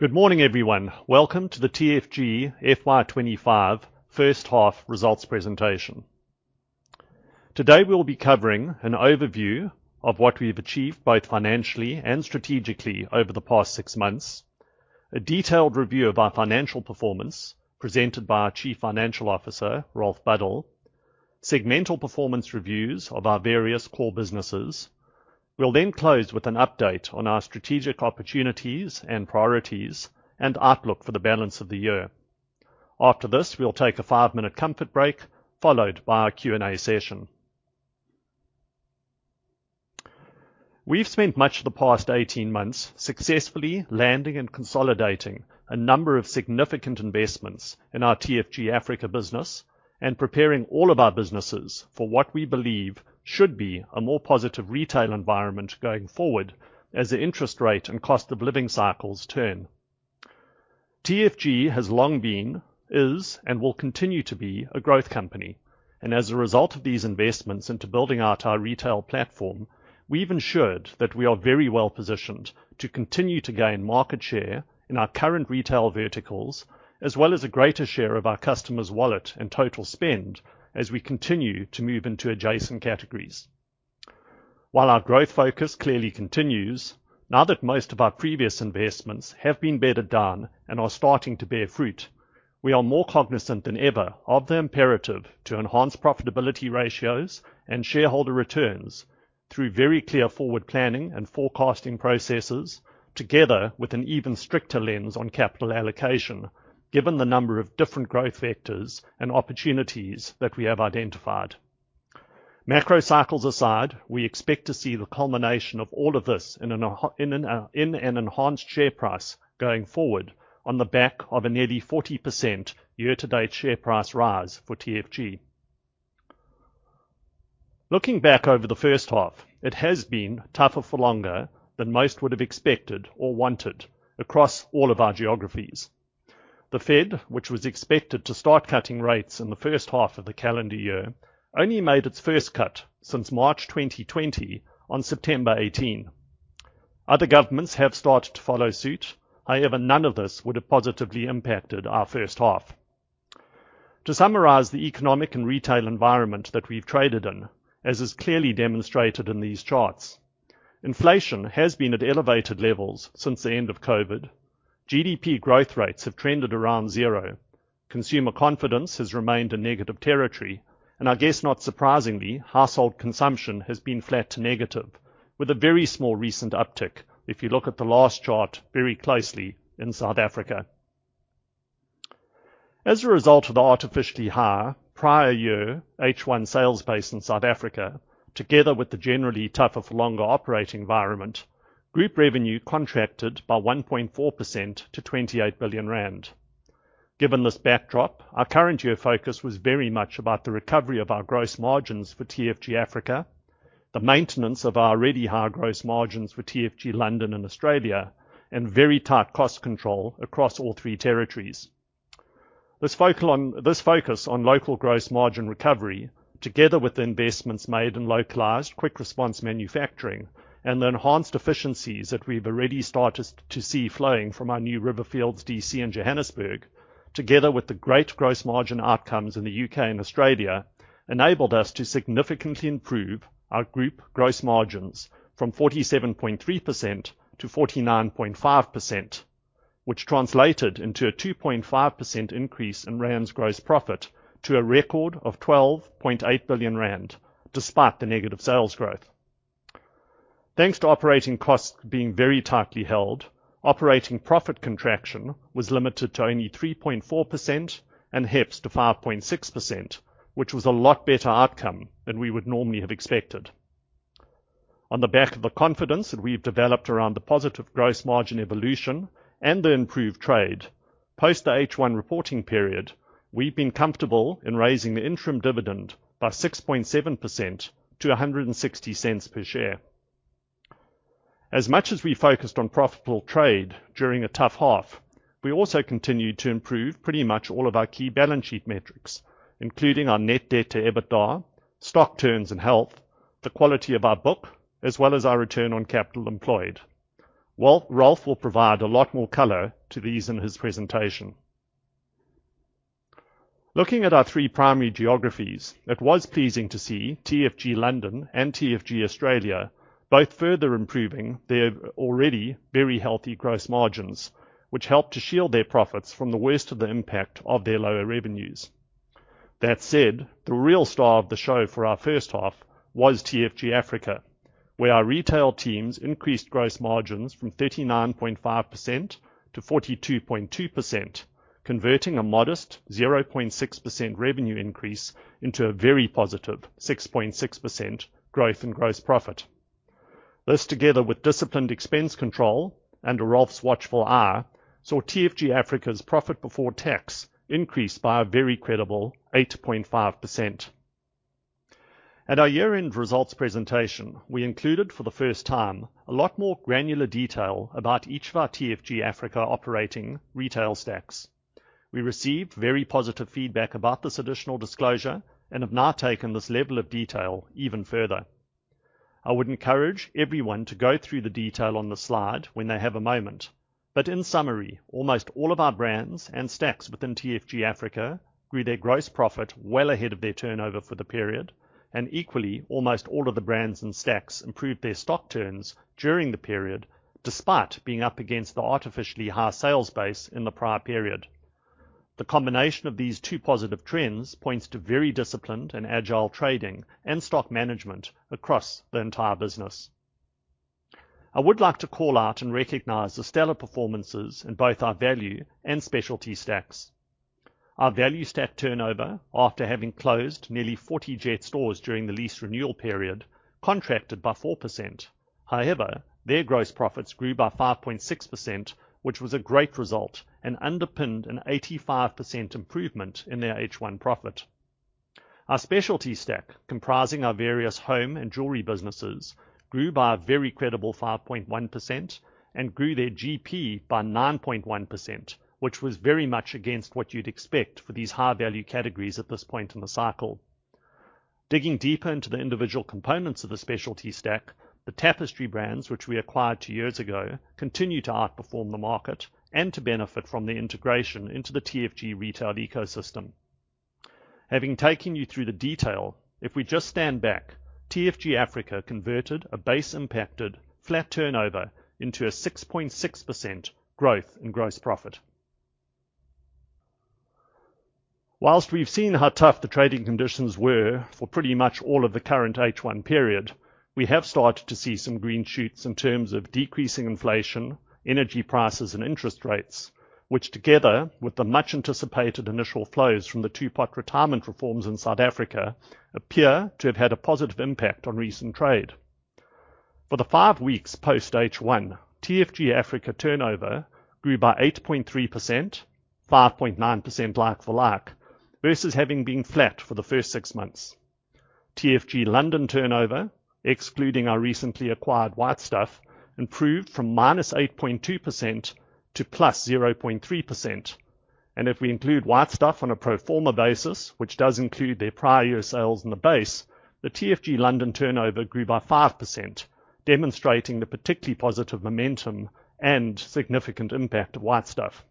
Good morning everyone. Welcome to the TFG FY25 first half results presentation. Today we will be covering an overview of what we have achieved both financially and strategically over the past six months. A detailed review of our financial performance presented by our Chief Financial Officer Rolf Buddle. Segmental performance reviews of our various core businesses. We'll then close with an update on our strategic opportunities and priorities and outlook for the balance of the year. After this, we'll take a five minute comfort break followed by a Q and A session. We've spent much of the past 18 months successfully landing and consolidating a number of significant investments in our TFG Africa business and preparing all of our businesses for what we believe should be a more positive retail environment going forward as the interest rate and cost of living cycles turn. TFG has long been, is and will continue to be a growth company and as a result of these investments into building out our retail platform, we've ensured that we are very well positioned to continue to gain market share in our current retail verticals as well as a greater share of our customer's wallet and total spending as we continue to move into adjacent categories while our growth focus clearly continues. Now that most of our previous investments have been bedded down and are starting to bear fruit, we are more cognizant than ever of the imperative to enhance profitability ratios and shareholder returns through very clear forward planning and forecasting processes, together with an even stricter lens on capital allocation given the number of different growth vectors and opportunities that we have identified. Macro cycles aside, we expect to see the culmination of all of this in an enhanced share price going forward on the back of a nearly 40% year to date share price rise for TFG. Looking back over the first half, it has been tougher for longer than most would have expected or wanted to. Across all of our geographies, the Fed, which was expected to start cutting rates in the first half of the calendar year, only made its first cut since March 2020 on September 18. Other governments have started to follow suit. However, none of this would have positively impacted our first half. To summarize the economic and retail environment that we've traded in. As is clearly demonstrated in these charts, inflation has been at elevated levels since the end of COVID. GDP growth rates have trended around zero, consumer confidence has remained in negative territory and I guess not surprisingly, household consumption has been flat to negative with a very small recent uptick. If you look at the last chart very closely in South Africa, as a result of the artificially high prior year H1 sales base in South Africa together with the generally tougher for longer operating environment group revenue contracted by 1.4% to 28 billion rand. Given this backdrop, our current year focus was very much about the recovery of our gross margins for TFG Africa, the maintenance of our already high gross margins for TFG London and Australia and very tight cost control across all three territories. This focus on local gross margin recovery together with the investments made in localised quick response manufacturing and the enhanced efficiencies that we've already started to see flowing from our new Riverfields DC and Johannesburg together with the great gross margin outcomes in the UK and Australia enabled us to significantly improve our group gross margins from 47.3% to 49.5% which translated into a 2.5% increase in RAMS gross profit to a record of 12.8 billion rand. Despite the negative sales growth thanks to operating costs being very tightly held, operating profit contraction was limited to only 3.4% and HEPS to 5.6% which was a lot better outcome than we would normally have expected. On the back of the confidence that we've developed around the positive gross margin evolution and the improved trade post the H1 reporting period, we've been comfortable in raising the interim dividend by 6.7% to R 1.60 per share. As much as we focused on profitable trade during a tough half, we also continued to improve pretty much all of our key balance sheet metrics including our net debt to EBITDA, stock turns and health, the quality of our book as well as our return on capital employed. Rolf will provide a lot more color. To these in his presentation. Looking at our three primary geographies, it was pleasing to see TFG London and TFG Australia both further improving their already very healthy gross margins which helped to shield their profits from the worst of the impact of their lower revenues. That said, the real star of the show for our first half was TFG Africa where our retail teams increased gross margins from 39.5% to 42.2% converting a modest 0.6% revenue increase into a very positive 6.6% growth in gross profit. This together with disciplined expense control and a Rolf's watchful eye saw TFG Africa's profit before tax increase by a very credible 8.5%. At our year end results presentation we included for the first time a lot more granular detail about each of our TFG Africa operating retail stacks. We received very positive feedback about this additional disclosure and have now taken this level of detail even further. I would encourage everyone to go through the detail on the slide when they have a moment. But in summary, almost all of our brands and stacks within TFG Africa grew their gross profit well ahead of their turnover for the period and equally, almost all of the brands and stacks improved their stock turns during the period despite being up against the artificially high sales base in the prior period. The combination of these two positive trends points to very disciplined and agile trading and stock management across the entire business. I would like to call out and recognize the stellar performances in both our value and specialty stacks. Our value stack turnover after having closed nearly 40 Jet stores during the lease renewal period contracted by 4%. However, their gross profits grew by 5.6% which was a great result and underpinned an 85% improvement in their H1 profit. Our specialty stack comprising our various home and jewelry businesses grew by a very credible 5.1% and grew their GP by 9.1% which was very much against what you'd expect for these high value categories at this point in the cycle. Digging deeper into the individual components of the specialty stack, the Tapestry brands which we acquired two years ago continue to outperform the market and to benefit from the integration into the TFG retail ecosystem. Having taken you through the details, if we just stand back, TFG Africa converted a base impacted flat turnover into a 6.6% growth in gross profit. While we've seen how tough the trading conditions were for pretty much all of the current H1 period, we have started to see some green shoots in terms of decreasing inflation, energy prices and interest rates which together with the much anticipated initial flows from the Two-Pot retirement reforms in South Africa and appear to have had a positive impact on recent trade. For the five weeks post-H1, TFG Africa turnover grew by 8.3%, 5.9% like-for-like versus having been flat for the first six months. TFG London turnover excluding our recently acquired White Stuff improved from -8.2% to 0.3%, and if we include White Stuff on a pro forma basis which does include their prior year sales in the base, the TFG London turnover grew by 5% demonstrating the particularly positive momentum and significant impact of White Stuff.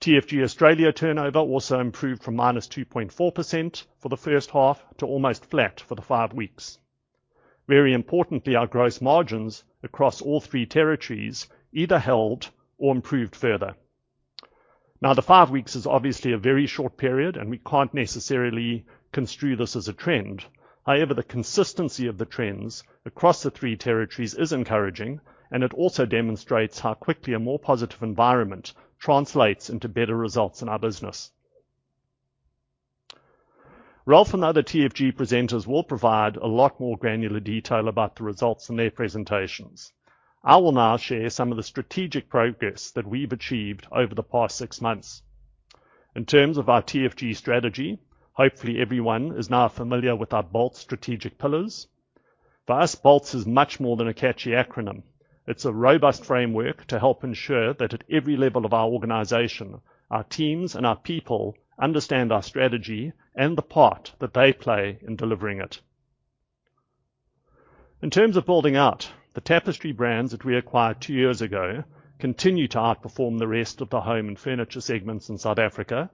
TFG Australia turnover also improved from -2.4% for the first half to almost flat for the five weeks. Very importantly, our gross margins across all three territories either held or improved further. Now the five weeks is obviously a very short period and we can't necessarily construe this as a trend. However, the consistency of the trends across the three territories is encouraging and it also demonstrates how quickly a more positive environment translates into better results in our business. Rolf and other TFG presenters will provide a lot more granular detail about the. Results in their presentations. I will now share some of the strategic progress that we've achieved over the past six months in terms of our TFG strategy. Hopefully everyone is now familiar with our BOLTS strategic pillars. For us, BOLTS is much more than a catchy acronym, it's a robust framework to help ensure that at every level of our organization, our teams and our people understand our strategy and the part that they play in delivering it. In terms of building out the Tapestry brands that we acquired two years ago, continue to outperform the rest of the home and furniture segments in South Africa,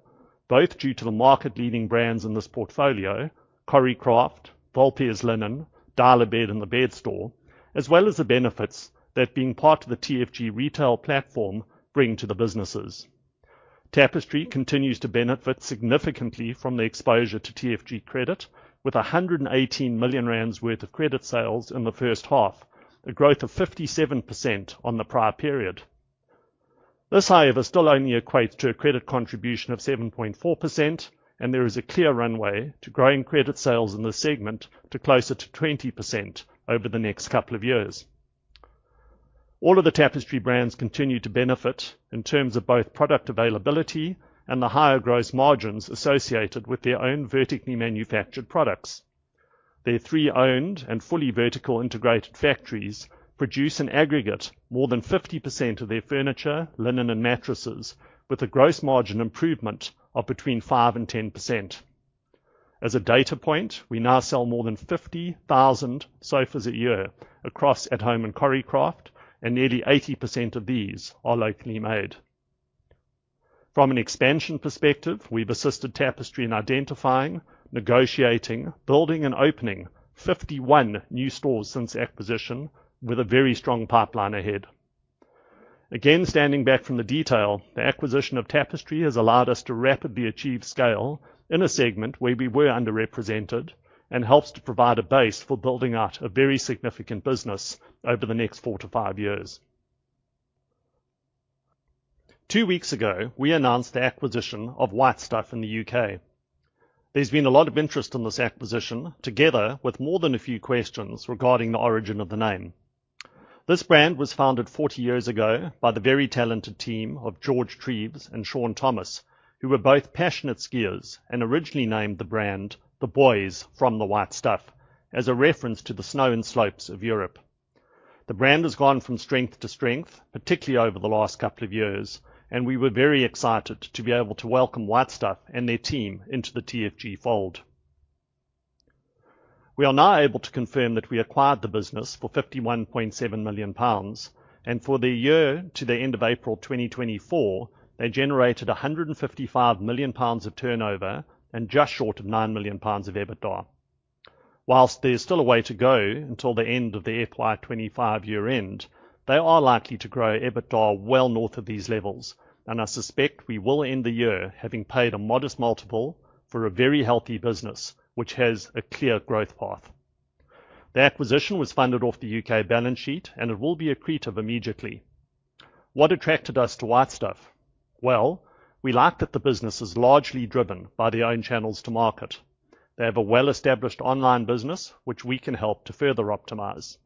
both due to the market leading brands in this portfolio, Coricraft, Volpes Linen, Dial-a-Bed and The Bed Store, as well as the benefits that being part of the TFG retail platform bring to the businesses. Tapestry continues to benefit significantly from the exposure to TFG credit with 118 million rand worth of credit sales in the first half, a growth of 57% on the prior period. This however still only equates to a credit contribution of 7.4% and there is a clear runway to growing credit sales in this segment to closer to 20% over the next couple of years. All of the Tapestry brands continue to benefit in terms of both product availability and the higher gross margins associated with their own vertically manufactured products. Their three owned and fully vertical integrated factories produce in aggregate more than 50% of their furniture, linen and mattresses with a gross margin improvement of between 5 and 10%. As a data point, we now sell more than 50,000 sofas a year across At Home and Coricraft and nearly 80% of these are locally made. From an expansion perspective, we've assisted Tapestry in identifying, negotiating, building and opening 51 new stores since acquisition with a very strong pipeline ahead. Again, standing back from the detail, the acquisition of Tapestry has allowed us to rapidly achieve scale in a segment where we were underrepresented and helps to provide a base for building out a very significant business over the next four to five years. Two weeks ago we announced the acquisition of White Stuff in the U.K. There's been a lot of interest in this acquisition together with more than a few questions regarding the origin of the name. This brand was founded 40 years ago by the very talented team of George Treves and Sean Thomas, who were both passionate skiers and originally named the brand the Boys from the White Stuff as a reference to the snow and slopes of Europe. The brand has gone from strength to strength, particularly over the last couple of years and we were very excited to be able to welcome White Stuff and their team into the TFG fold. We are now able to confirm that. We acquired the business for 51.7 million. Pounds and for the year to the end of April 2024 they generated 155 million pounds of turnover and just short of nine million pounds of EBITDA. While there's still a way to go until the end of the FY25 year end, they are likely to grow EBITDA well north of these levels and I suspect we will end the year having paid a modest multiple for a very healthy business which has a clear growth path. The acquisition was funded off the U.K. balance sheet and it will be accretive immediately. What attracted us to White Stuff? Well we like that the business is largely driven by their own channels to market. They have a well established online business which we can help to further optimize.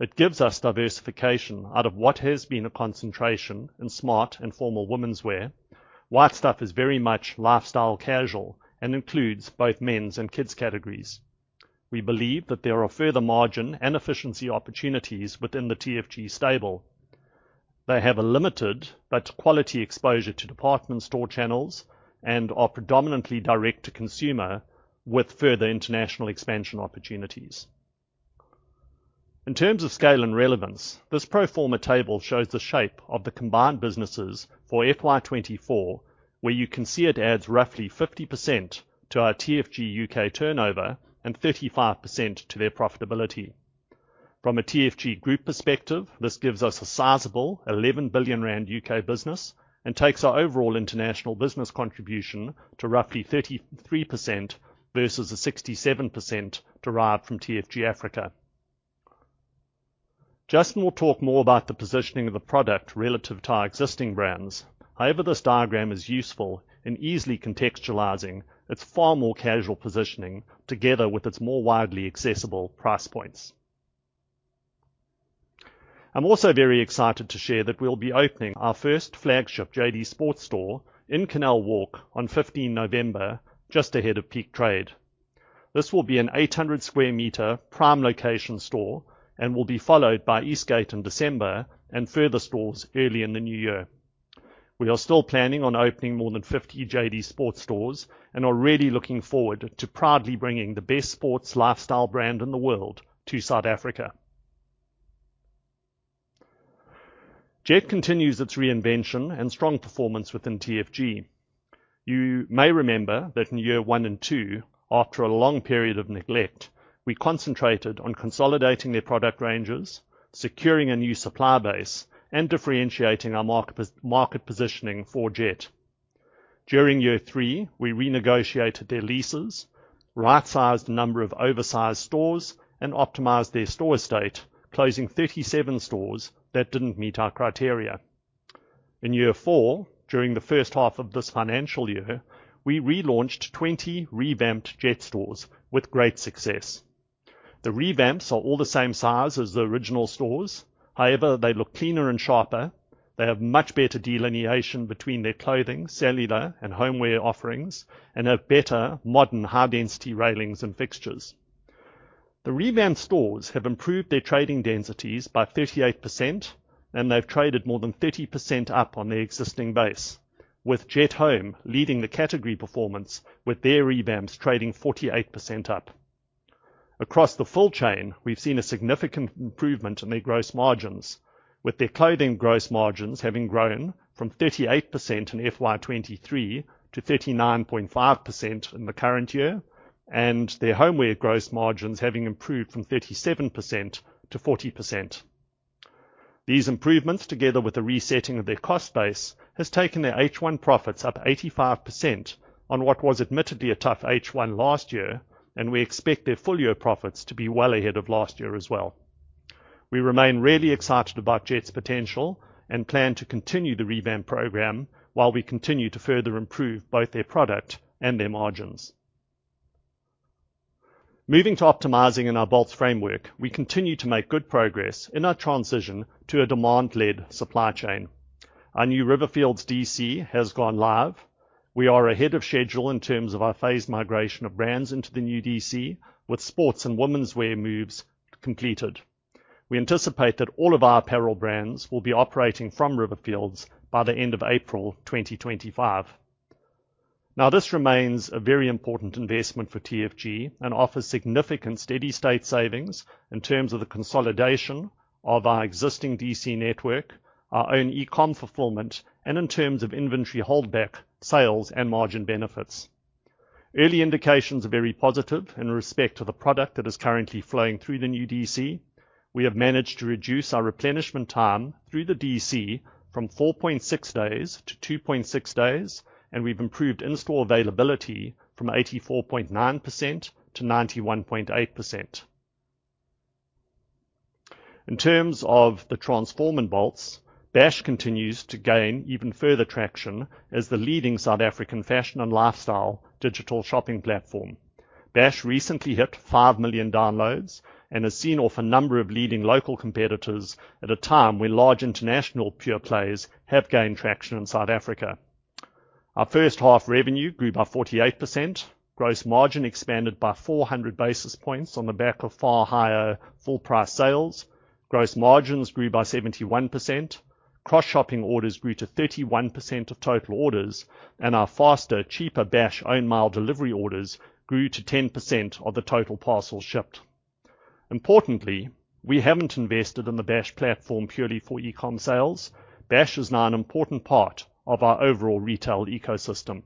It gives us diversification out of what has been a concentration in smart and formal womenswear. Stuff is very much lifestyle casual and includes both men's and kids categories. We believe that there are further margin and efficiency opportunities within the TFG stable. They have a limited but quality exposure to department store channels and are predominantly direct to consumer with further international expansion opportunities. In terms of scale and relevance, this pro forma table shows the shape of the combined businesses for FY24 where you can see it adds roughly 50% to our TFG UK turnover and 35% to their profitability. From a TFG Group perspective this gives us a sizable 11 billion rand UK business and takes our overall international business contribution to roughly 33% versus the 67% derived from TFG Africa. Justin will talk more about the positioning of the product relative to our existing brands. However, this diagram is useful in easily contextualizing its far more casual positioning together with its more widely accessible price points. I'm also very excited to share that we'll be opening our first flagship JD Sports store in Canal Walk on the 15th of November just ahead of peak trade. This will be an 800 square meter prime location store and will be followed by Eastgate in December and further stores early in the new year. We are still planning on opening more than 50 JD Sports stores and are really looking forward to proudly bringing the best sports lifestyle brand in the world to South Africa. Jet continues its reinvention and strong performance within TFG. You may remember that in year one and two, after a long period of neglect, we concentrated on consolidating their product ranges, securing a new supplier base and differentiating our market positioning for Jet. During year three we renegotiated their lease rights, a number of oversized stores and optimized their store estate, closing 37 stores that didn't meet our criteria. In year four, during the first half of this financial year we relaunched 20 revamped Jet stores with great success. The revamps are all the same size as the original stores, however they look cleaner and sharper. They have much better delineation between their clothing, cellular and homeware offerings and have better modern high density railings and fixtures. The revamp stores have improved their trading densities by 38% and they've traded more than 30% up on their existing base with Jet Home leading the category performance. With their revamps trading 48% up across the full chain, we've seen a significant improvement in their gross margins with their clothing gross margins having grown from 38% in FY23 to 39.5% in the current year and their homeware gross margins having improved from 37% to 40%. These improvements together with a resetting of their cost base has taken their H1 profits up 85% on what was admittedly a tough H1 last year and we expect their full year profits to be well ahead of last year as well. We remain really excited about Jet's potential and plan to continue the revamp program while we continue to further improve both their product and their margins. Moving to optimizing in our BOLTS framework, we continue to make good progress in our transition to a demand-led supply chain. Our new Riverfields DC has gone live. We are ahead of schedule in terms of our phased migration of brands into the new DC. With sports and womenswear moves completed, we anticipate that all of our apparel brands will be operating from Riverfields to by. The end of April 2025. Now this remains a very important investment for TFG and offers significant steady state savings in terms of the consolidation of our existing DC network, our own e-com fulfillment and in terms of inventory holdback sales and margin benefits. Early indications are very positive in respect to the product that is currently flowing through the new DC which we have managed to reduce our replenishment time through the DC, from 4.6 days to 2.6 days and we've improved in-store availability from 84.9% to 91.8%. In terms of the transforming BOLTS, Bash continues to gain even further traction as the leading South African fashion and lifestyle digital shopping platform. Bash recently hit 5 million downloads and has seen off a number of leading local competitors at a time when large international pure players have gained traction in South Africa. Our first half revenue grew by 48%. Gross margin expanded by 400 basis points on the back of far higher full price sales. Gross margins grew by 71%. Cross shopping orders grew to 31% of total orders and our faster cheaper Bash own mile delivery orders grew to 10% of the total parcels shipped. Importantly, we haven't invested in the Bash platform purely for e-com sales. Bash is now an important part of our overall retail ecosystem.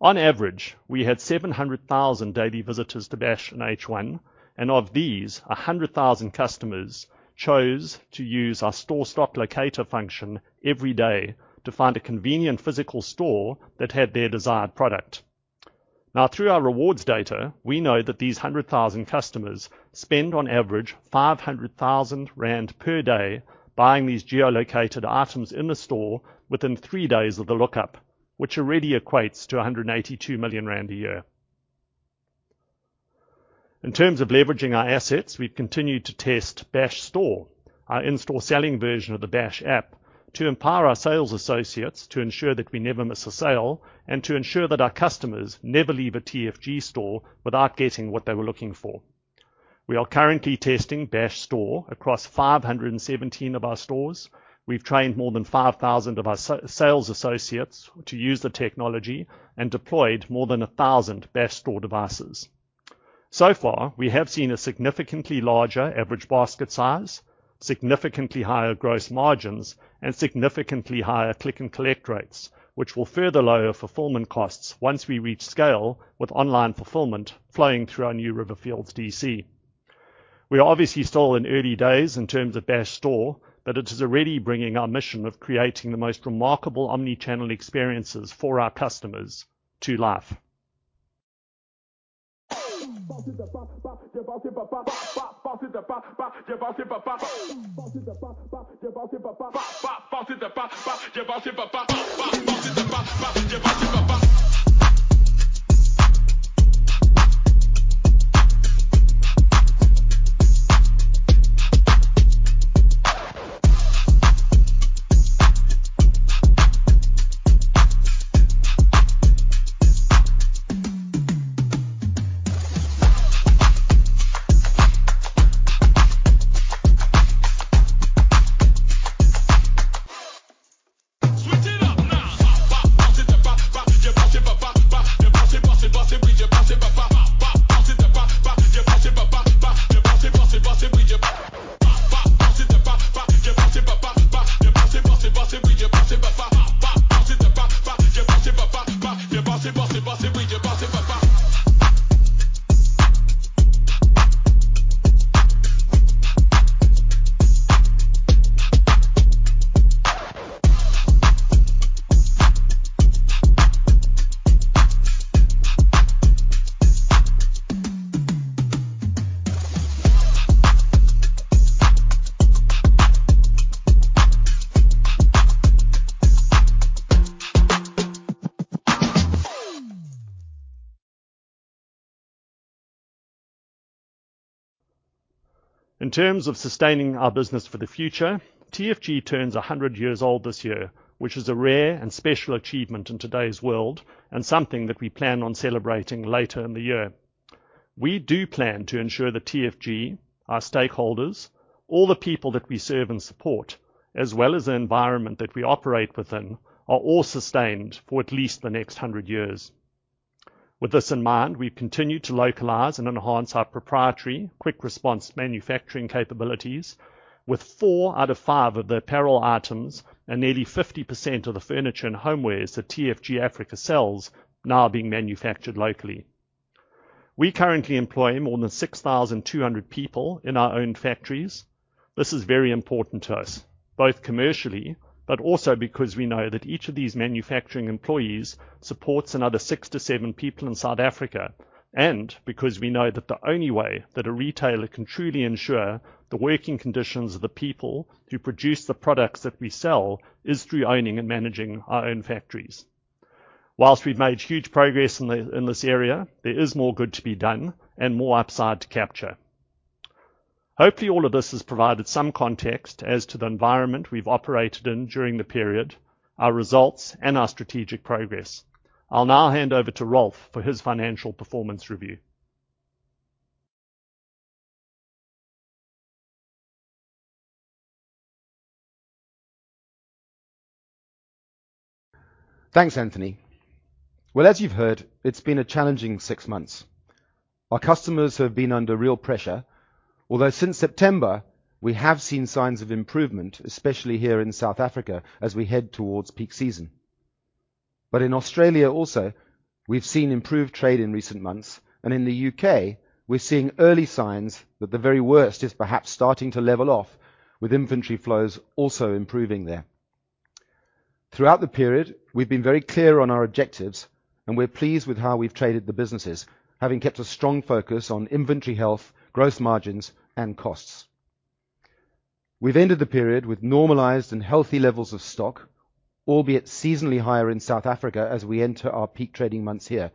On average we had 700,000 daily visitors to Bash in H1 and of these, 100,000 customers chose to use our Stock Locator function every day to find a convenient physical store that had their desired product. Now through our rewards data we know that these 100,000 customers spend on average 500,000 rand per day buying these geolocated items in the store within three days of the lookup, which already equates to 182 million rand a year. In terms of leveraging our assets, we've continued to test Bash Store, our in-store selling version of the Dash app, to empower our sales associates to ensure that we never miss a sale and to ensure that our customers never leave a TFG store without getting what they were looking for. We are currently testing Bash Store across 517 of our stores. We've trained more than 5,000 of our sales associates to use the technology and deployed more than 1,000 Bash Store devices. So far we have seen a significantly larger average basket size, significantly higher gross margins and significantly higher click and collect rates which will further lower fulfillment costs once we reach scale. With online fulfillment flowing through our new Riverfields DC, we are obviously still in early days in terms of Bash Store, but it is already bringing our mission of creating the most remarkable omnichannel experiences for our customers to life. In terms of sustaining our business for the future. TFG turns 100 years old this year, which is a rare and special achievement in today's world and something that we. Plan on celebrating later in the year. We do plan to ensure the TFG, our stakeholders, all the people that we serve and support, as well as the environment that we operate within are all sustained for at least the next hundred years. With this in mind, we continue to localise and enhance our proprietary quick response manufacturing capabilities. With four out of five of the apparel items and nearly 50% of the furniture and homewares that TFG Africa sells now being manufactured locally, we currently employ more than 6,200 people in our own factories. This is very important to us, both commercially, but also because we know that each of these manufacturing employees supports another six to seven people in South Africa. And because we know that the only way that a retailer can truly ensure the working conditions of the people who produce the products that we sell is through owning and managing our own factories. Whilst we've made huge progress in this area, there is more good to be done and more upside to capture. Hopefully all of this has provided some context as to the environment we've operated in during the period, our results and our strategic progress. I'll now hand over to Rolf for his financial performance review. Thanks, Anthony. Well, as you've heard, it's been a challenging six months. Our customers have been under real pressure, although since September we have seen signs of improvement, especially here in South Africa as we head towards peak season. But in Australia also we've seen improved trade in recent months and in the UK we're seeing early signs that the very worst is perhaps starting to level off with inventory flows also improving there. Throughout the period we've been very clear on our objectives and we're pleased with how we've traded the businesses. Having kept a strong focus on inventory, health, gross margins and costs, we've ended the period with normalized and healthy levels of stock, albeit seasonally higher in South Africa as we enter our peak trading months here.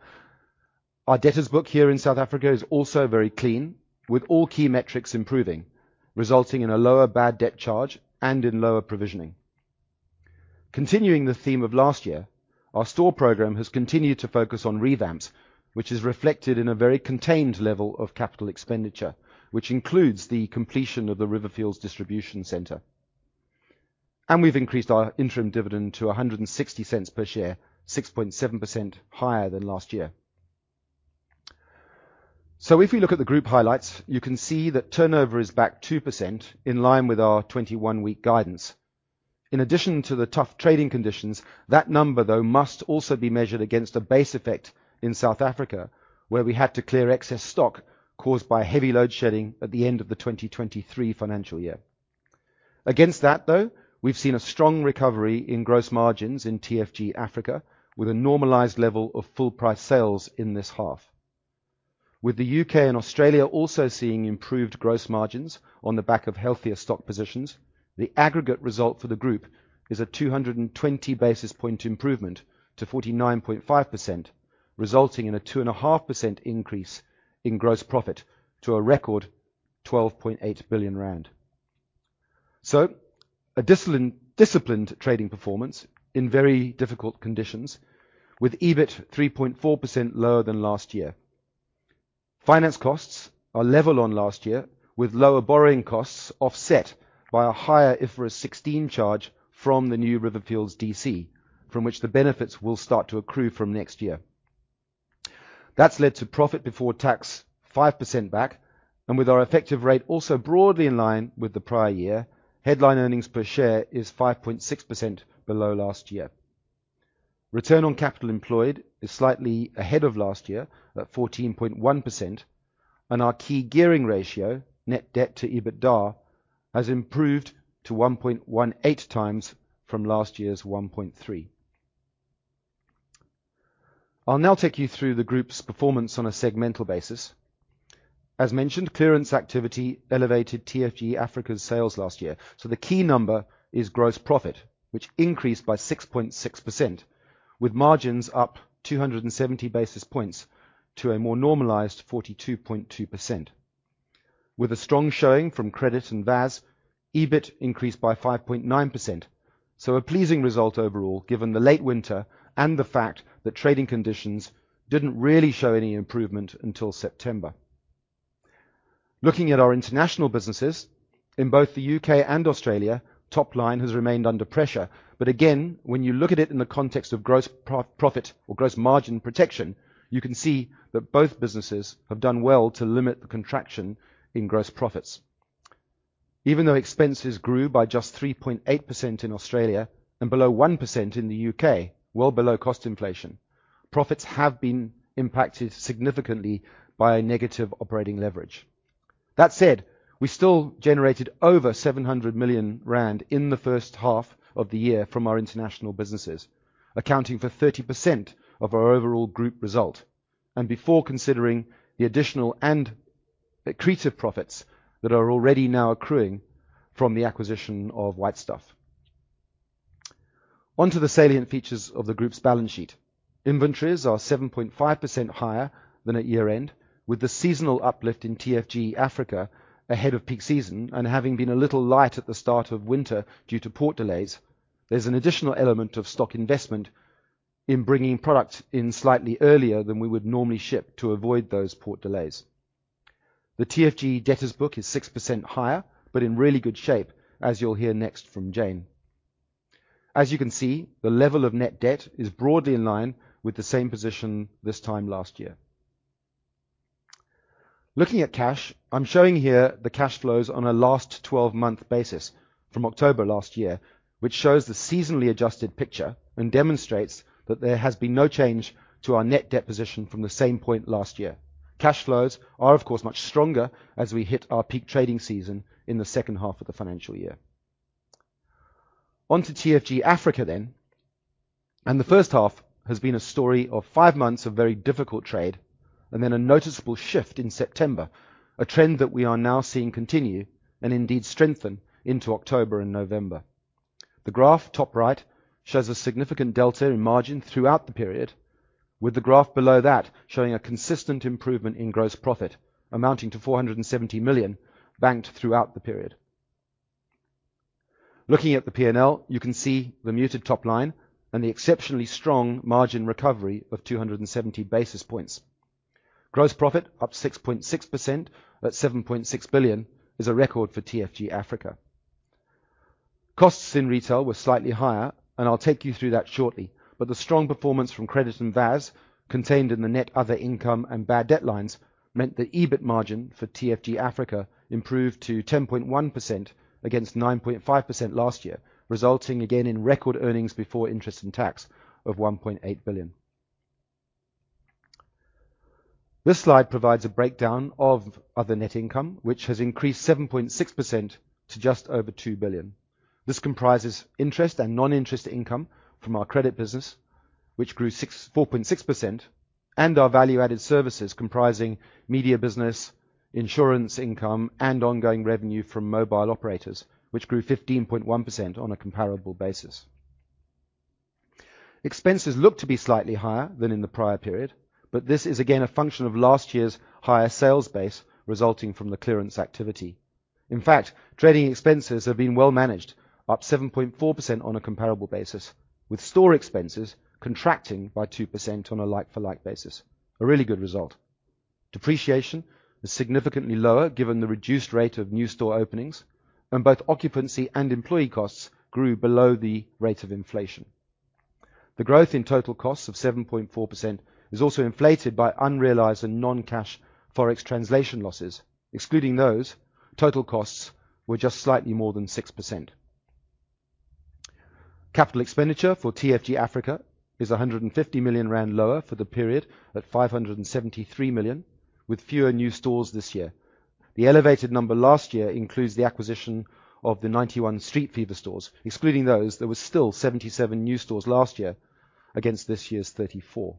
Our debtors book here in South Africa is also very clean with all key metrics improving, resulting in a lower bad debt charge and in lower provisioning. Continuing the theme of last year, our store program has continued to focus on revamps, which is reflected in a very contained level of capital expenditure which includes the completion of the Riverfields distribution centre, and we've increased our interim dividend to 1.60 per share, 6.7% higher than last year, so if we look at the group highlights, you can see that turnover is back 2% in line with our 21-week guidance. In addition to the tough trading conditions, that number though must also be measured against a base effect in South Africa where we had to clear excess stock caused by heavy load shedding at the end of the 2023 financial year. Against that though, we've seen a strong recovery in gross margins in TFG Africa with a normalized level of full price sales in this half, with the UK and Australia also seeing improved gross margins on the back of healthier stock positions. The aggregate result for the group is a 220 basis point improvement to 49.5% resulting in a 2.5% increase in gross profit to a record 12.8 billion rand. So a disciplined trading performance in very difficult conditions with EBIT 3.4% lower than last year. Finance costs are level on last year with lower borrowing costs offset by a higher IFRS 16 charge from the new Riverfields DC from which the benefits will start to accrue from next year. That's led to profit before tax 5% back, and with our effective rate also broadly in line with the prior year, headline earnings per share is 5.6% below last year. Return on capital employed is slightly ahead of last year at 14.1%, and our key gearing ratio, net debt to EBITDA, has improved to 1.18 times from last year's 1.3. I'll now take you through the group's performance on a segmental basis. As mentioned, clearance activity elevated TFG Africa's sales last year, so the key number is gross profit, which increased by 6.6% with margins up 270 basis points to a more normalized 42.2%. With a strong showing from Credit and VAS, EBIT increased by 5.9%, so a pleasing result overall given the late winter and the fact that trading conditions didn't really show any improvement until September. Looking at our international businesses in both the U.K. and Australia, top line has remained under pressure, but again, when you look at it in the context of gross profit or gross margin protection, you can see that both businesses have done well to limit the contraction in gross profits even though expenses grew by just 3.8% in Australia and below 1% in the U.K., well below cost inflation, profits have been impacted significantly by negative operating leverage. That said, we still generated over 700 million rand in the first half of the year from our international businesses, accounting for 30% of our overall group result. And before considering the additional and accretive profits that are already now accruing from the acquisition of White Stuff onto the salient features of the group's balance sheet. Inventories are 7.5% higher than at year-end. With the seasonal uplift in TFG Africa ahead of peak season and having been a little light at the start of winter due to port delays, there's an additional element of stock investment in bringing products in slightly earlier than we would normally ship to avoid those port delays. The TFG debtors book is 6% higher but in really good shape as you'll hear next from Jane. As you can see, the level of net debt is broadly in line with the same position this time last year. Looking at cash, I'm showing here the cash flows on a last 12-month basis from October last year to which shows the seasonally adjusted picture and demonstrates that there has been no change to our net debt position from the same point last year. Cash flows are of course much stronger as we hit our peak trading season in the second half of the financial year. On to TFG Africa then and the first half has been a story of five months of very difficult trade and then a noticeable shift in September, a trend that we are now seeing continue and indeed strengthen into October and November. The graph top right shows a significant delta in margin throughout the period with the graph below that showing a consistent improvement in gross profit amounting to 470 million banked throughout the period. Looking at the P and L you can see the muted top line and the exceptionally strong margin recovery of 270 basis points. Gross profit up 6.6% at 7.6 billion is a record for TFG Africa. Costs in retail were slightly higher and I'll take you through that shortly, but the strong performance from credit and VAS contained in the net other income and bad debt lines meant the EBIT margin for TFG Africa improved to 10.1% against 9.5% last year, resulting again in record earnings before interest and tax of R1.8 billion. This slide provides a breakdown of other net income which has increased 7.6% to just over R2 billion. This comprises interest and non interest income from our credit business which grew 4.6% and our value added services comprising media business, insurance income and ongoing revenue from mobile operators which grew 15.1%. On a comparable basis, expenses look to be slightly higher than in the prior period, but this is again a function of last year's higher sales base resulting from the clearance activity. In fact, trading expenses have been well managed up 7.4% on a comparable basis, with store expenses contracting by 2% on a like-for-like basis. A really good result. Depreciation is significantly lower given the reduced rate of new store openings and both occupancy and employee costs grew below the rate of inflation. The growth in total costs of 7.4% is also inflated by unrealized and non-cash Forex translation losses, excluding those, total costs were just slightly more than 6%. Capital expenditure for TFG Africa is 150 million rand lower for the period at 573 million with fewer new stores this year. The elevated number last year includes the acquisition of the 91 Street Fever stores, excluding those, there were still 77 new stores last year against this year's 34.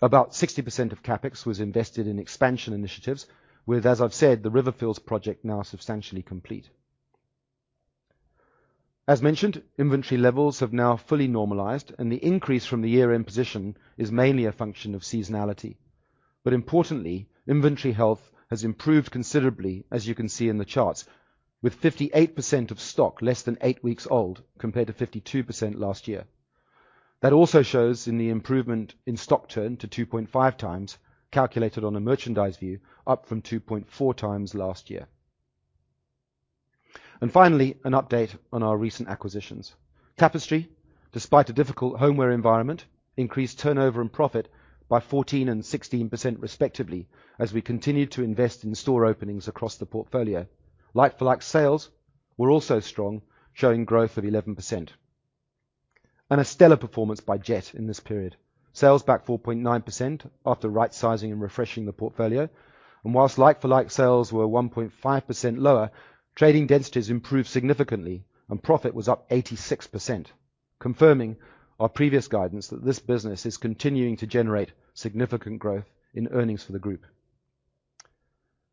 About 60% of CapEx was invested in expansion initiatives, with, as I've said, the Riverfields project now substantially complete. As mentioned, inventory levels have now fully normalized, and the increase from the year-end position is mainly a function of seasonality, but importantly, inventory health has improved considerably, as you can see in the charts, with 58% of stock less than eight weeks old compared to 52% last year. That also shows in the improvement in stock turn to 2.5 times, calculated on a merchandise view, up from 2.4 times last year. And finally, an update on our recent acquisitions, Tapestry. Despite a difficult homeware environment, increased turnover and profit by 14% and 16% respectively, as we continued to invest in store openings across the portfolio. Like-for-like sales were also strong, showing growth of 11% and a stellar performance by Jet in this period. Sales back 4.9% after rightsizing and refreshing the portfolio, and while like-for-like sales were 1.5% lower, trading densities improved significantly and profit was up 86%, confirming our previous guidance that this business is continuing to generate significant growth in earnings for the group.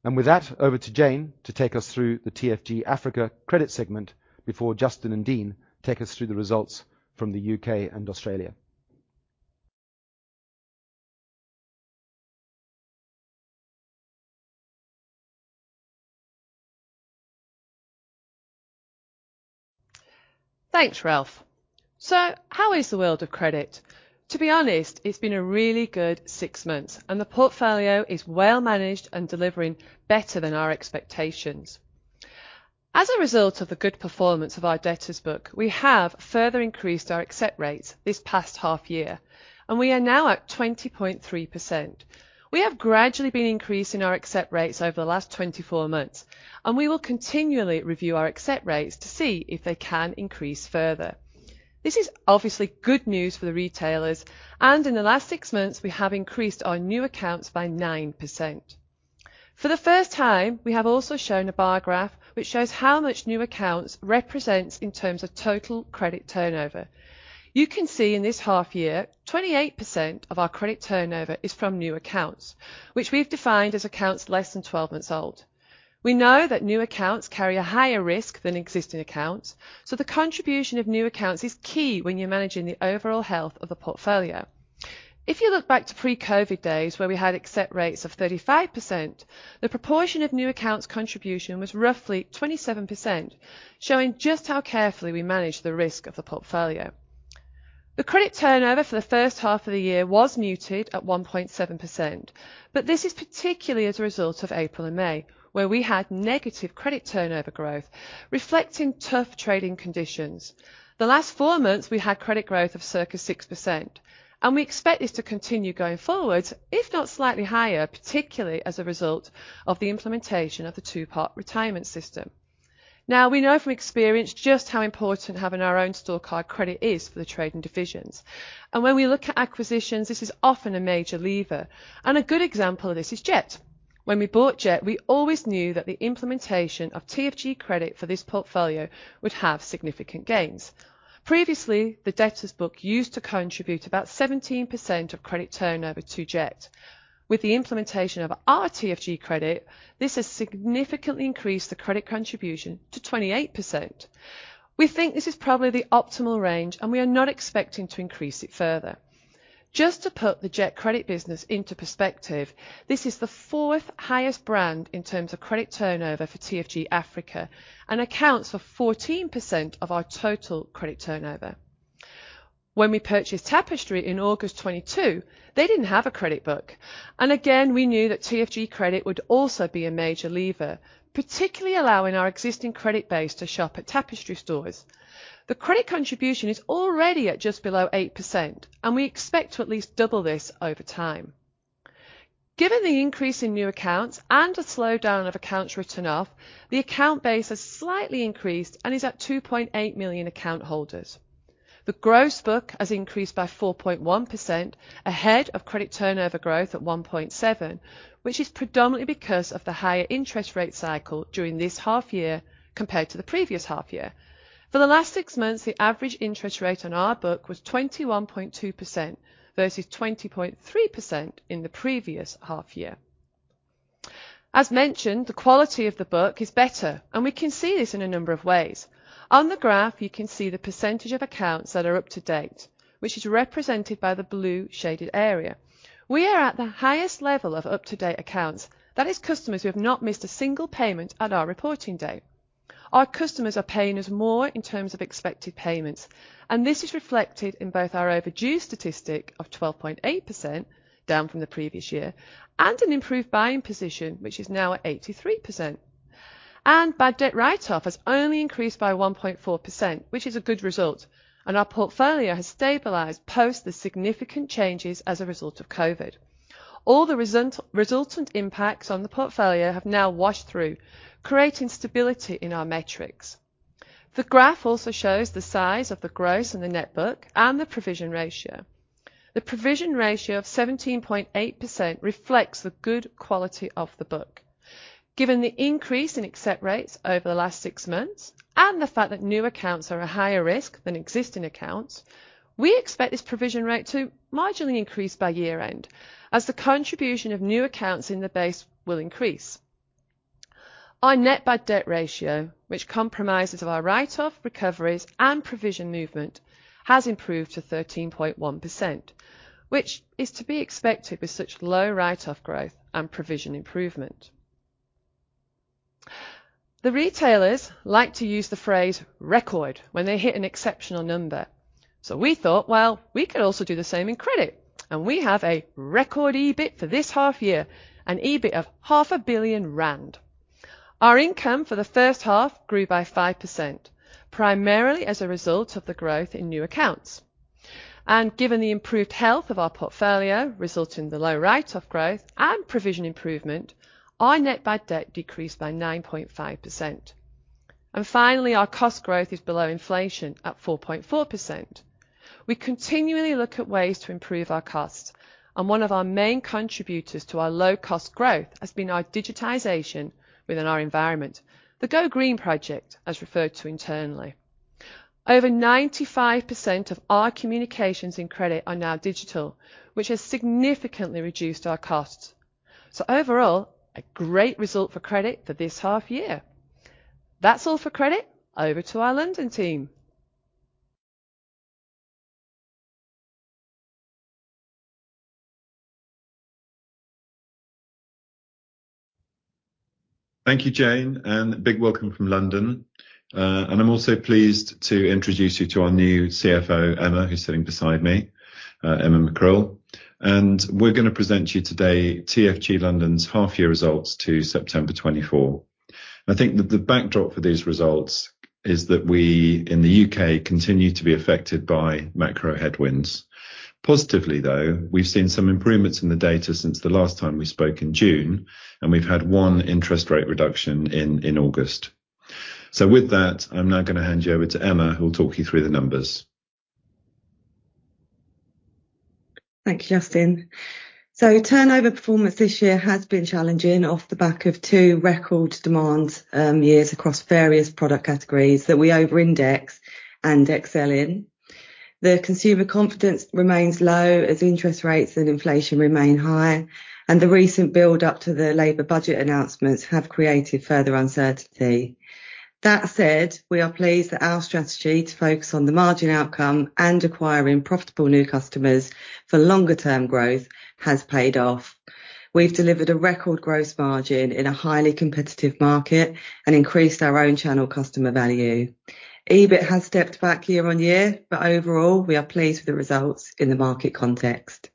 And with that, over to Jane to take us through the TFG Africa credit segment before Justin and Dean take us through the results from the UK and Australia. Thanks, Ralph. So how is the world of credit? To be honest, it's been a really good six months, and the portfolio is well managed and delivering better than our expectations. As a result of the good performance of our debtors book, we have further increased our accept rates this past half year, and we are now at 20.3%. We have gradually been increasing our accept rates over the last 24 months, and we will continually review our accept rates to see if they can increase further. This is obviously good news for the retailers, and in the last six months we have increased our new accounts by 9% for the first time. We have also shown a bar graph which shows how much new accounts represents in terms of total credit turnover. You can see in this half year 28% of our credit turnover is from new accounts which we've defined as accounts less than 12 months old. We know that new accounts carry a higher risk than existing accounts. So the contribution of new accounts is key when you're managing the overall health of the portfolio. If you look back to pre-COVID days where we had accept rates of 35%, the proportion of new accounts contribution was roughly 27%, showing just how carefully we manage the risk of the portfolio. The credit turnover for the first half of the year was muted at 1.7%. But this is particularly as a result of April and May where we had negative credit turnover growth reflecting tough trading conditions. The last four months we had credit growth of circa 6% and we expect this to continue going forward, if not slightly higher, particularly as a result of the implementation of the Two-Pot Retirement System. Now we know from experience just how important having our own store card credit is for the trading divisions. And when we look at acquisitions, this is often a major lever. And a good example of this is Jet. When we bought Jet, we always knew that the implementation of TFG Credit for this portfolio would have significant gains. Previously the debtors book used to contribute about 17% of credit turnover to Jet. With the implementation of our TFG Credit, this has significantly increased the credit contribution to 28%. We think this is probably the optimal range and we are not expecting to increase it further. Just to put the Jet credit business into perspective, this is the fourth highest brand in terms of credit turnover for TFG Africa and accounts for 14% of our total credit turnover. When we purchased Tapestry in August 2022, they didn't have a credit book and again we knew that TFG credit would also be a major lever, particularly allowing our existing credit base to shop at Tapestry stores. The credit contribution is already at just below 8% and we expect to at least double this over time. Given the increase in new accounts and a slowdown of accounts written off, the account base has slightly increased and is at 2.8 million account holders. The gross book has increased by 4.1% ahead of credit turnover growth at 1.7% which is predominantly because of the higher interest rate cycle during this half year compared to the previous half year. For the last six months, the average interest rate on our book was 21.2% versus 20.3% in the previous half year. As mentioned, the quality of the book is better and we can see this in a number of ways. On the graph you can see the percentage of accounts that are up to date which is represented by the blue shaded area. We are at the highest level of up to date accounts, i.e. customers who have not missed a single payment at our reporting day. Our customers are paying us more in terms of expected payments and this is reflected in both our overdue statistic of 12.8% down from the previous year, and an improved buying position which is now at 83%. And bad debt write off has only increased by 1.4% which is a good result. And our portfolio has stabilized post the significant changes as a result of COVID. All the resultant impacts on the portfolio have now washed through, creating stability in our metrics. The graph also shows the size of the gross and the net book and the provision ratio. The provision ratio of 17.8% reflects the good quality of the book. Given the increase in accept rates over the last six months and the fact that new accounts are a higher risk than existing accounts, we expect this provision rate to marginally increase by year end as the contribution of new accounts in the base will increase. Our net bad debt ratio, which comprises of our write off recoveries and provision movement, has improved to 13.1% which is to be expected with such low write off growth and provision improvement. The retailers like to use the phrase record when they hit an exceptional number. So we thought, well, we could also do the same in credit. And we have a record EBIT for this half year, an EBIT of R 500 million. Our income for the first half grew by 5%, primarily as a result of the growth in new accounts. And given the improved health of our portfolio resulting in the low write-off growth and provision improvement. Our net bad debt decreased by 9.5%. And finally our cost growth is below inflation at 4.4%. We continually look at ways to improve our cost and one of our main contributors to our low cost growth has been our digitization within our environment. The Go Green Project, as referred to internally, over 95% of our communications and credit are now digital, which has significantly reduced our costs. So overall a great result for credit for this half year. That's all for credit. Over to our London team. Thank you, Jane, and big welcome from London, and I'm also pleased to introduce you to our new CFO Emma, who's sitting beside me, Emma McCrill, and we're going to present you today TFG London's half year results to September 24th. I think that the backdrop for these results is that we in the U.K. continue to be affected by macro headwinds positively, though we've seen some improvements in the data since the last time we spoke in June and we've had one interest rate reduction in August, so with that I'm now going to hand you over to Emma who will talk you through the numbers. Thank you, Justin. So turnover performance this year has been challenging off the back of two record demand years across various product categories that we over index and excel in. The consumer confidence remains low as interest rates and inflation remain high and the recent build up to the Labour budget announcements have created further uncertainty. That said, we are pleased that our strategy to focus on the margin outcome and acquiring profitable new customers for longer term growth has paid off. We've delivered a record gross margin in a highly competitive market and increased our own channel customer value. EBIT has stepped back year on year but overall we are pleased with the results in the market context.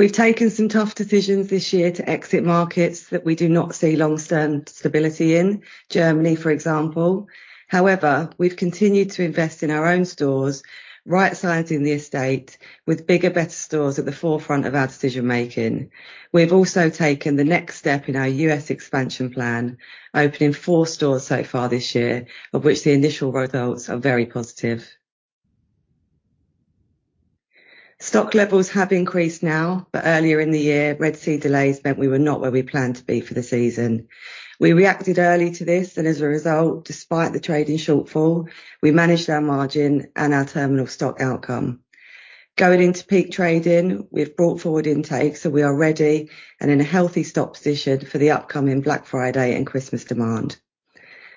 We've taken some tough decisions this year to exit markets that we do not see long term stability in Germany, for example. However, we've continued to invest in our own stores, right sizing the estate with bigger, better stores at the forefront of our decision making. We've also taken the next step in our U.S. expansion plan, opening four stores so far this year of which the initial results are very positive. Stock levels have increased now, but earlier in the year Red Sea delays meant we were not where we planned to be for the season. We reacted early to this and as a result, despite the trading shortfall, we managed our margin and our terminal stock outcome going into peak trading. We've brought forward intake so we are ready and in a healthy stock position for the upcoming Black Friday and Christmas demand.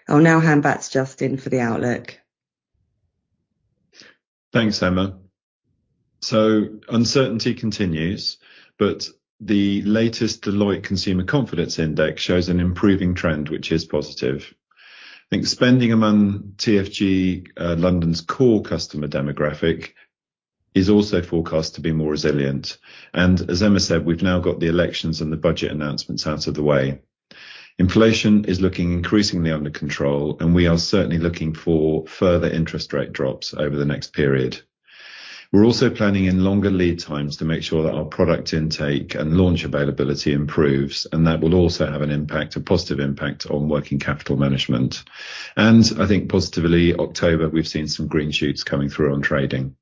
I'll now hand back to Justin for the outlook. Thanks, Emma. So uncertainty continues but the latest Deloitte Consumer Confidence Index shows an improving trend which is positive, I think. Spending among TFG London's core customer demographic is also forecast to be more resilient. And as Emma said, we've now got the elections and the budget announcements out of the way. Inflation is looking increasingly under control and we are certainly looking for further interest rate drops over the next period. We're also planning in longer lead times to make sure that our product intake and launch availability improves and that will also have an impact, a positive impact on working capital management and I think, positively, October we've seen some green shoots coming through on trading.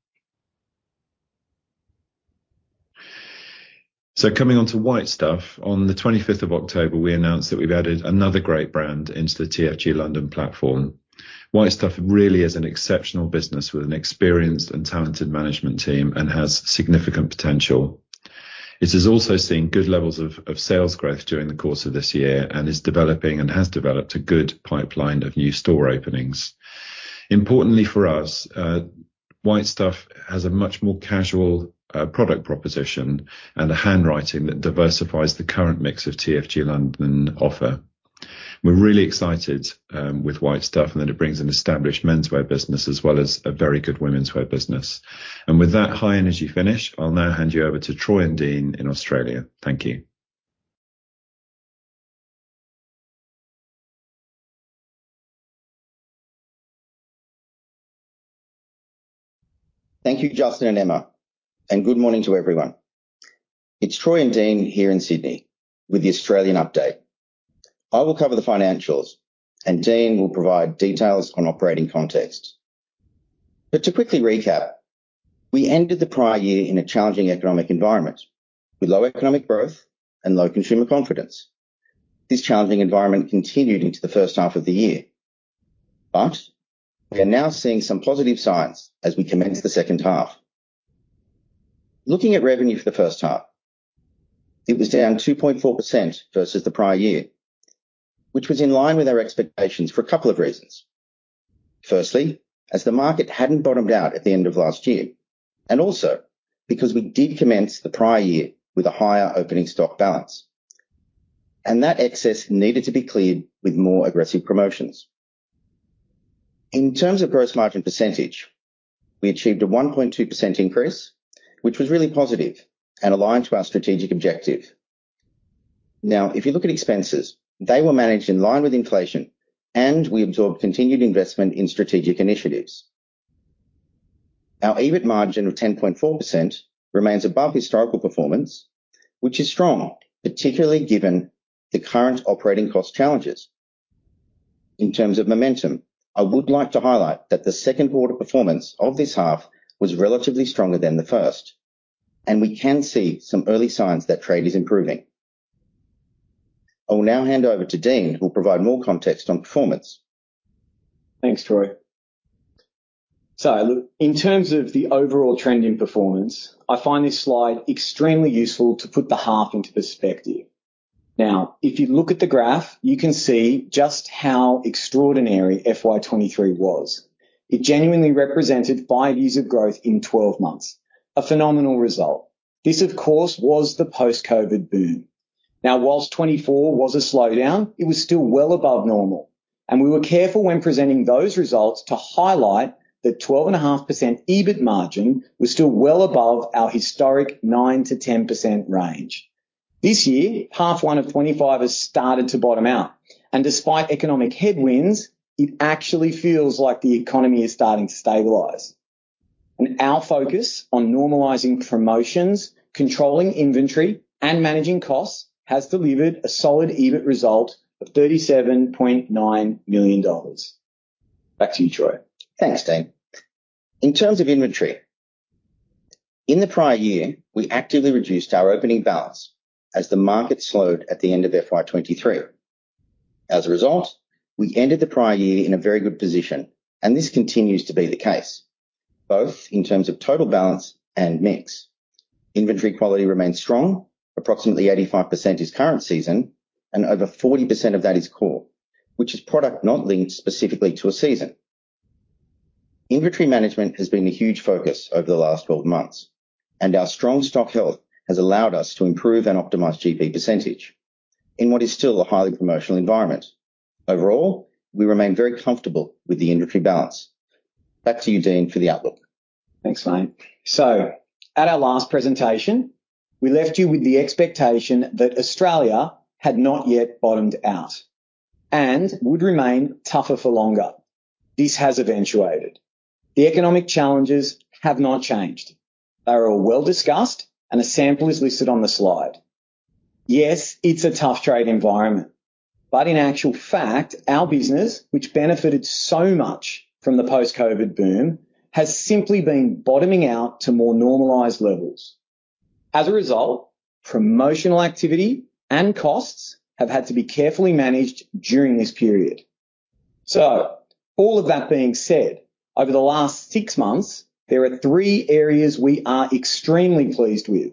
So coming on to White Stuff. On 25 October we announced that we've added another great brand into the TFG London platform. Stuff really is an exceptional business with an experienced and talented management team and has significant potential. It is also seeing good levels of sales growth during the course of this year and is developing and has developed a good pipeline of new store openings. Importantly for us, White Stuff has a much more casual product proposition and a handwriting that diversifies the current mix of TFG London offer. We're really excited with White Stuff and that it brings an established menswear business as well as a very good womenswear business, and with that high energy finish, I'll now hand you over to Troy and Dean in Australia. Thank you. Thank you, Justin and Emma, and good morning to everyone. It's Troy and Dean here in Sydney with the Australian update. I will cover the financials and Dean will provide details on operating context. But to quickly recap, we ended the prior year in a challenging economic environment with low economic growth and low consumer confidence. This challenging environment continued into the first half of the year, but we are now seeing some positive signs as we commence the second half. Looking at revenue, for the first half it was down 2.4% versus the prior year, which was in line with our expectations for a couple of reasons. Firstly, as the market hadn't bottomed out at the end of last year and also because we did commence the prior year with a higher opening stock balance and that excess needed to be cleared with more aggressive promotions. In terms of gross margin percentage, we achieved a 1.2% increase which was really positive and aligned to our strategic objective. Now, if you look at expenses, they were managed in line with inflation and we absorbed continued investment in strategic initiatives. Our EBIT margin of 10.4% remains above historical performance, which is strong, particularly given the current operating cost challenges. In terms of momentum, I would like to highlight that the second quarter performance of this half was relatively stronger than the first and we can see some early signs that trade is improving. I will now hand over to Dean who will provide more context on performance. Thanks, Troy. In terms of the overall trend in performance, I find this slide extremely useful to put the half into perspective. Now, if you look at the graph, you can see just how extraordinary FY23 was. It genuinely represented five years of growth in 12 months, a phenomenal result. This, of course, was the post Covid boom. Now, while 24 was a slowdown, it was still well above normal. We were careful when presenting those results to highlight that 12.5% EBIT margin was still well above our historic 9%-10% range. This year, half one of 25 has started to bottom out and despite economic headwinds, it actually feels like the economy is starting to stabilize. Our focus on normalizing promotions, controlling inventory and managing costs has delivered a solid EBIT result of 37.9 million dollars. Back to you, Troy. Thanks, Dean. In terms of inventory in the prior year, we actively reduced our opening balance as the market slowed at the end of FY23. As a result, we ended the prior year in a very good position and this continues to be the case both in terms of total balance and mix. Inventory quality remains strong. Approximately 85% is current season and over 40% of that is core, which is product not linked specifically to a season. Inventory management has been a huge focus over the last 12 months and our strong stock health has allowed us to improve and optimize GP percentage in what is still a highly promotional environment. Overall, we remain very comfortable with the inventory balance. Back to you, Dean, for the outlook. Thanks, mate. So, at our last presentation we left you with the expectation that Australia had not yet bottomed out and would remain tougher for longer. This has eventuated. The economic challenges have not changed. They are all well discussed and a sample is listed on the slide. Yes, it's a tough trade environment, but in actual fact, our business, which benefited so much from the post-COVID boom, has simply been bottoming out to more normalized levels. As a result, promotional activity and costs have had to be carefully managed during this period. So, all of that being said, over the last six months, there are three areas we are extremely pleased with.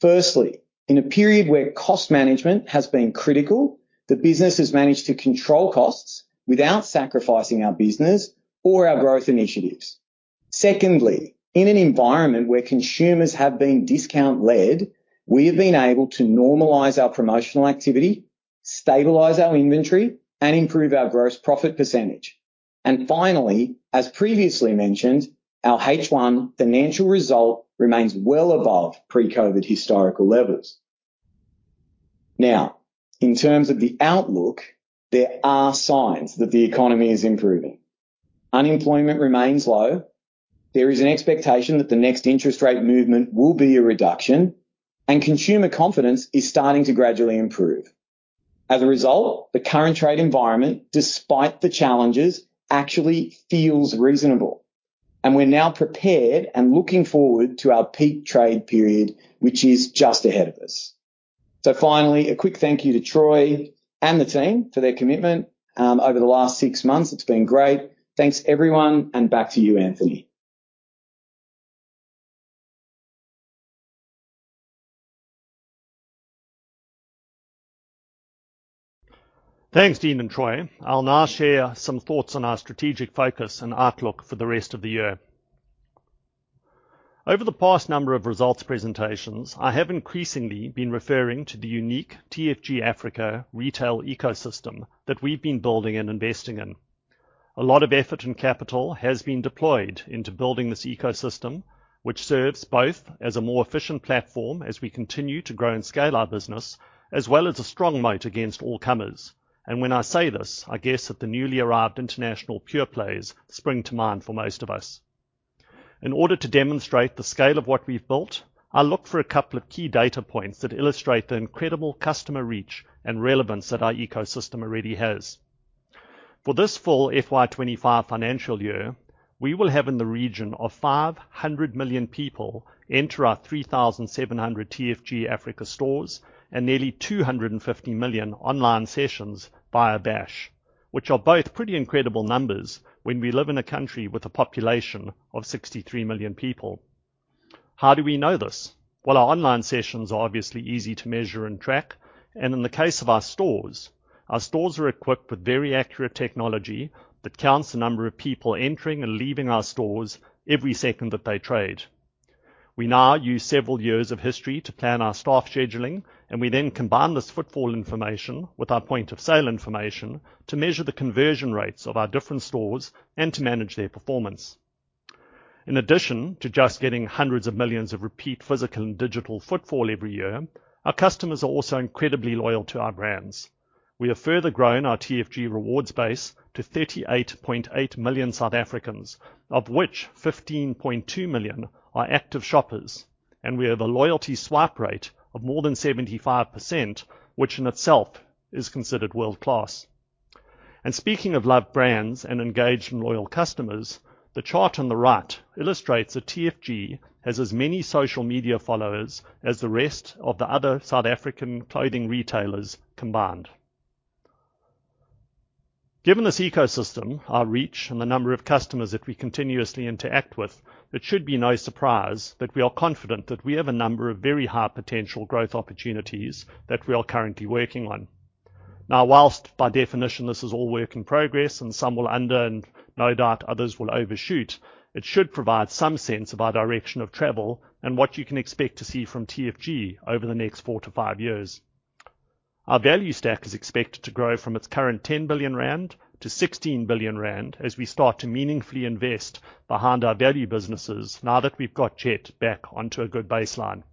Firstly, in a period where cost management has been critical, the business has managed to control costs without sacrificing our business or our growth initiatives. Secondly, in an environment where consumers have been discount-led, we have been able to normalize our promotional activity, stabilize our inventory and improve our gross profit percentage, and finally, as previously mentioned, our H1 financial result remains well above pre-COVID historical levels. Now, in terms of the outlook, there are signs that the economy is improving, unemployment remains low, there is an expectation that the next interest rate movement will be a reduction and consumer confidence is starting to gradually improve. As a result, the current trade environment, despite the challenges, actually feels reasonable and we're now prepared and looking forward to our peak trade period which is just ahead of us, so finally, a quick thank you to Troy and the team for their commitment over the last six months. It's been great. Thanks everyone and back to you, Anthony. Thanks, Dean and Troy. I'll now share some thoughts on our. Strategic focus and outlook for the rest of the year. Over the past number of results presentations, I have increasingly been referring to the unique TFG Africa retail ecosystem that we've been building and investing in. A lot of effort and capital has been deployed into building this ecosystem which serves both as a more efficient platform as we continue to grow and scale our business as well as a strong moat against all comers, and when I say this, I guess that the newly arrived international pure plays spring to mind for most of us. In order to demonstrate the scale of what we've built, I look for a couple of key data points that illustrate the incredible customer reach and relevance that. Our ecosystem already has. For this full FY25 financial year we will have in the region of 500 million people enter our 3700 TFG Africa stores and nearly 250 million online sessions via Bash, which are both pretty incredible numbers when we live in a country with a population of 63 million people. How do we know this? Well, our online sessions are obviously easy to measure and track and in the case of our stores, our stores are equipped with very accurate technology that counts the number of people entering and leaving our stores every second that they trade. We now use several years of history to plan our staff scheduling and we then combine this footfall information with our point of sale information to measure the conversion rates of our different stores and to manage their performance. In addition to just getting hundreds of millions of repeat physical and digital footfall every year, our customers are also incredibly loyal to our brands. We have further grown our TFG Rewards base to 38.8 million South Africans, of which 15.2 million are active shoppers and we have a loyalty swipe rate of more than 75% which in itself is considered world class, and speaking of loved brands and engaged and loyal customers, the chart on the right illustrates that TFG has as many social media followers as the rest of the other South African clothing retailers combined. Given this ecosystem, our reach and the number of customers that we continuously interact with, it should be no surprise that we are confident that we have a number of very high potential growth opportunities that we are currently working on. Now. While by definition this is all work. In progress and some will under and. No doubt others will overshoot, it should provide some sense of our direction of travel and what you can expect to see from TFG over the next four to five years, our value stack is expected to grow from its current R10 billion to R16 billion as we start to meaningfully invest behind our value businesses. Now that we've got Jet back onto a good baseline,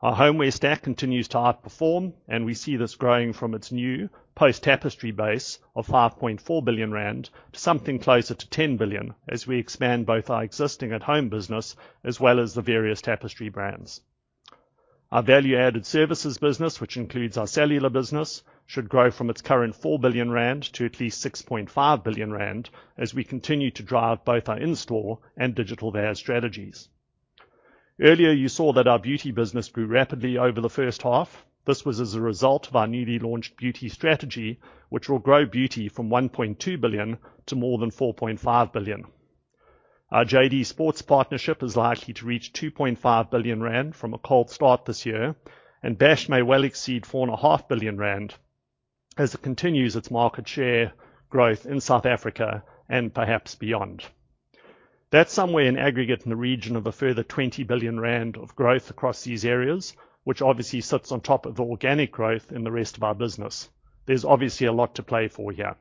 our homeware stack continues to outperform and we see this growing from its new post Tapestry base of R5.4 billion to something closer to R10 billion as we expand both our existing at home business as well as the various Tapestry brands. Our value-added services business, which includes our cellular business, should grow from its current R4 billion to at least R6.5 billion as we continue to drive both our in store and digital VAS strategies. Earlier you saw that our beauty business grew rapidly over the first half. This was as a result of our newly launched beauty strategy which will grow beauty from 1.2 billion to more than 4.5 billion. Our JD Sports partnership is likely to reach 2.5 billion rand from a cold start this year and Bash may well exceed 4.5 billion rand as it continues its market share growth in South Africa and perhaps beyond. That's somewhere in aggregate in the region of a further 20 billion rand of growth across these areas, which obviously sits on top of organic growth in the rest of our business. There's obviously a lot to play for here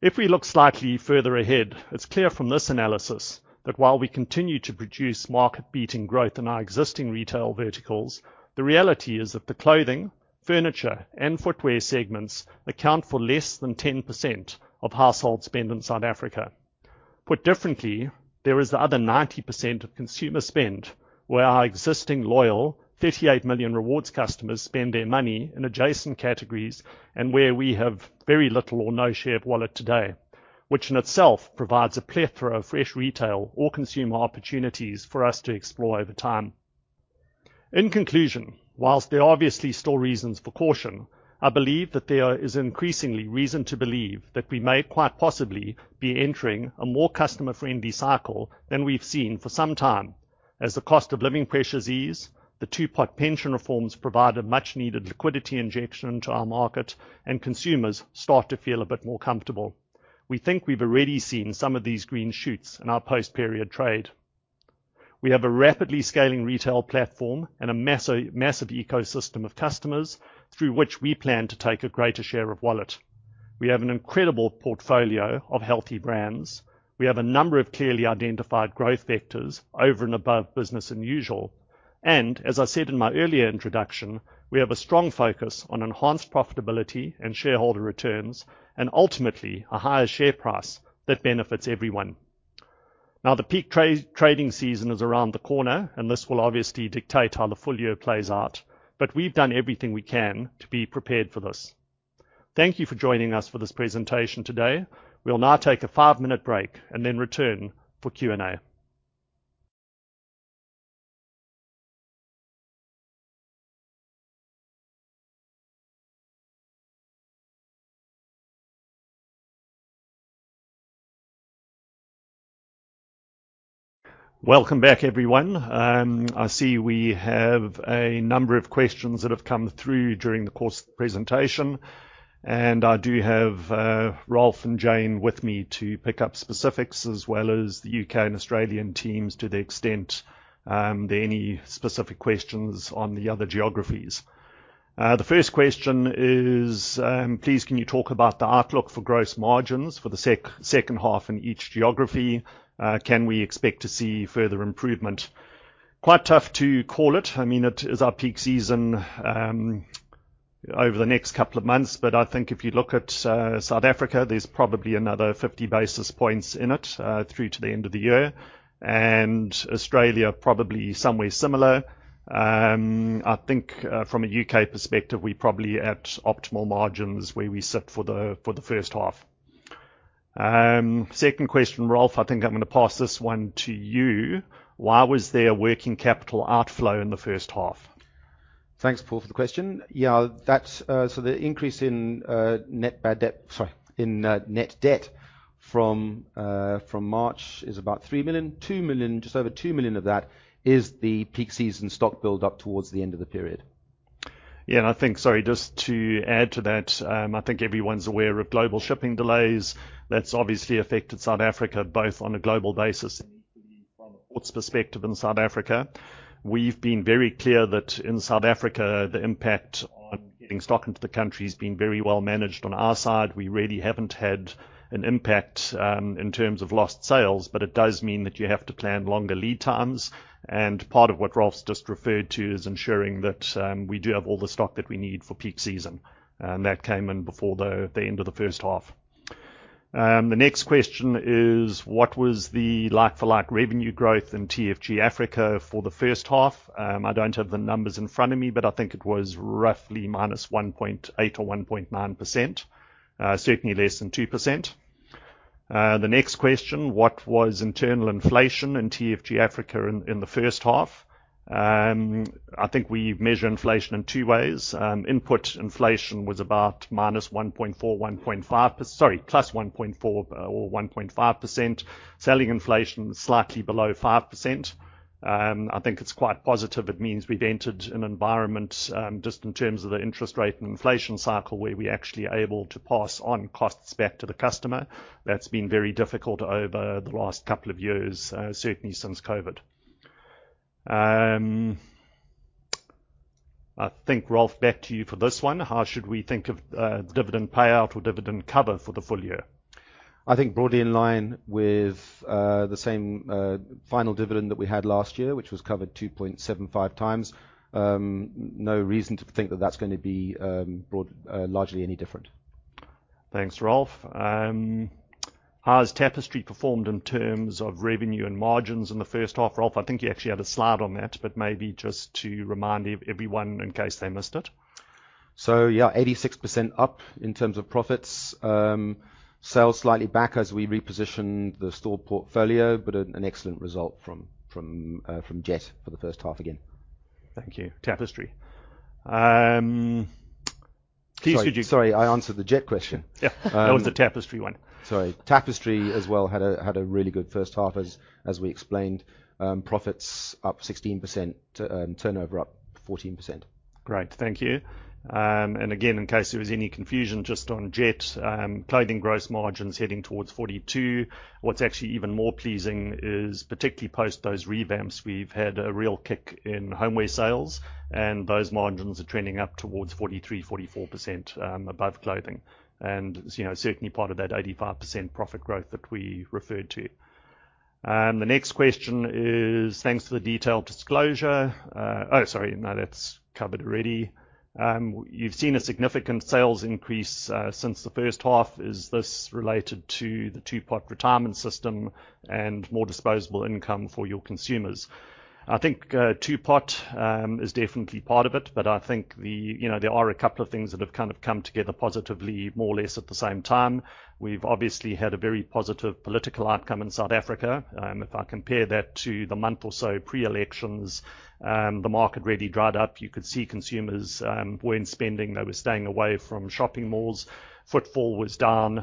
if we look slightly further ahead. It's clear from this analysis that while we continue to produce market beating growth in our existing retail verticals, the reality is that the clothing, furniture and footwear segments account for less than 10% of household spend in South Africa. Put differently, there is the other 90% of consumer spend where our existing loyal 38 million rewards customers spend their money in adjacent categories and where we have very little or no share of wallet today, which in itself provides a plethora of fresh retail or consumer opportunities for us to explore over time. In conclusion, whilst there are obviously still reasons for caution, I believe that there is increasingly reason to believe that we may quite possibly be entering a more customer friendly cycle than we've seen for some time. As the cost of living pressures ease, the Two-Pot Retirement System provides a much needed liquidity injection into our market and consumers start to feel a bit more comfortable. We think we've already seen some of these green shoots in our post-period trading. We have a rapidly scaling retail platform and a massive ecosystem of customers through which we plan to take a greater share of wallet. We have an incredible portfolio of healthy brands, we have a number of clearly identified growth vectors over and above business as usual. And as I said in my earlier introduction, we have a strong focus on enhanced profitability and shareholder returns and ultimately a higher share price that benefits everyone. Now the peak trading season is around the corner and this will obviously. Dictate how the full year plays out. But we've done everything we can to be prepared for this. Thank you for joining us for this presentation today. We'll now take a five-minute break and then return for Q and A. Welcome back everyone. I see we have a number of questions that have come through during the course presentation and I do have Rolf and Jane with me to pick up specifics as well as the UK and Australian teams to the extent there any. Specific questions on the other geographies. The first question is, please can you talk about the outlook for gross margins for the second half in each geography? Can we expect to see further improvement? Quite tough to call it. I mean it is our peak season over the next couple of months, but I think if you look at South Africa, there's probably another 50 basis points in it through to the end of the year and Australia probably somewhere similar. I think from a UK perspective we probably at optimal margins where we sit for the. For the first half. Second question, Rolf, I think I'm going. To pass this one to you. Why was there working capital outflow in the first half? Thanks, Paul, for the question. Yeah, that's. So the increase in net bad debt, sorry, in net debt from March is about R3 billion 2 billion. Just over R2 billion of that is the peak season stock build up towards the end of the period. Yeah. And I think, sorry, just to add to that, I think everyone's aware of global shipping delays that's obviously affected South Africa both on a global basis and. Equally, from a ports perspective in South. Africa we've been very clear that in South Africa the impact on getting stock into the country has been very well managed. On our side we really haven't had an impact in terms of lost sales, but it does mean that you have to plan longer lead times and part. Of what Rolf's just referred to is. Ensuring that we do have all the stock that we need for peak season and that came in before the end of the first half. The next question is what was the. Like-for-like revenue growth in TFG. Africa for the first half? I don't have the numbers in front of me, but I think it was roughly minus 1.8 or 1.9%. Certainly less than 2%. The next question, what was internal inflation in TFG Africa in the first half? I think we measure inflation in two ways. Input inflation was about minus 1.4, 1.5, sorry, plus 1.4 or 1.5%. Selling inflation slightly below 5%. I think it's quite positive. It means we've entered an environment just in terms of the interest rate and inflation cycle where we actually able to. Pass on costs back to the customer. That's been very difficult over the last couple of years. Certainly since COVID. I think Rolf, back to you for this one. How should we think of dividend payout? or dividend cover for the full year? I think broadly in line with the same final dividend that we had last year which was covered 2.75 times. No reason to think that that's going to be largely any different. Thanks, Rolf. How has Tapestry performed in terms of revenue and margins in the first half? Rolf, I think you actually had a slide on that, but maybe just to remind everyone in case they missed it. Yeah, 86% up in terms of profits. Sales slightly back as we reposition the store portfolio, but an excellent result from Jet for the first half. Again, thank you, Tapestry. Sorry, I answered the Jet question. That was the Tapestry one. Sorry, Tapestry as well had a really good first half as we explained. Profits up 16%, turnover up 14%. Great, thank you. Again, in case there was any confusion, just on Jet clothing gross margins heading towards 42%. What's actually even more pleasing is particularly post those revamps, we've had a real kick in homeware sales and those margins are trending up towards 43%-44% above clothing and certainly part of that 85%. Profit growth that we referred to. The next question is, thanks for the detailed disclosure. Oh, sorry, no, that's covered already. You've seen a significant sales increase since the first half. Is this related to the Two-Pot? Retirement system and more disposable income for your consumers? I think Two-Pot is definitely part of it. But I think there are a couple of things that have kind of come together positively more or less at the same time. We've obviously had a very positive political outcome in South Africa. If I compare that to the month or so pre elections, the market really dried up. You could see consumers weren't spending, they were staying away from shopping malls. Footfall was down.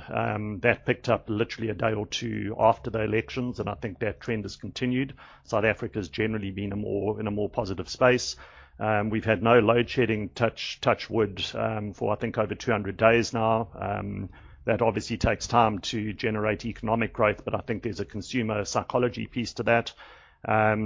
That picked up literally a day or. Two after the elections. I think that trend is going to continue. South Africa has generally been in a more positive space. We've had no load shedding, touch wood, for I think over 200 days now. That obviously takes time to generate economic growth, but I think there's a consumer psychology piece to that.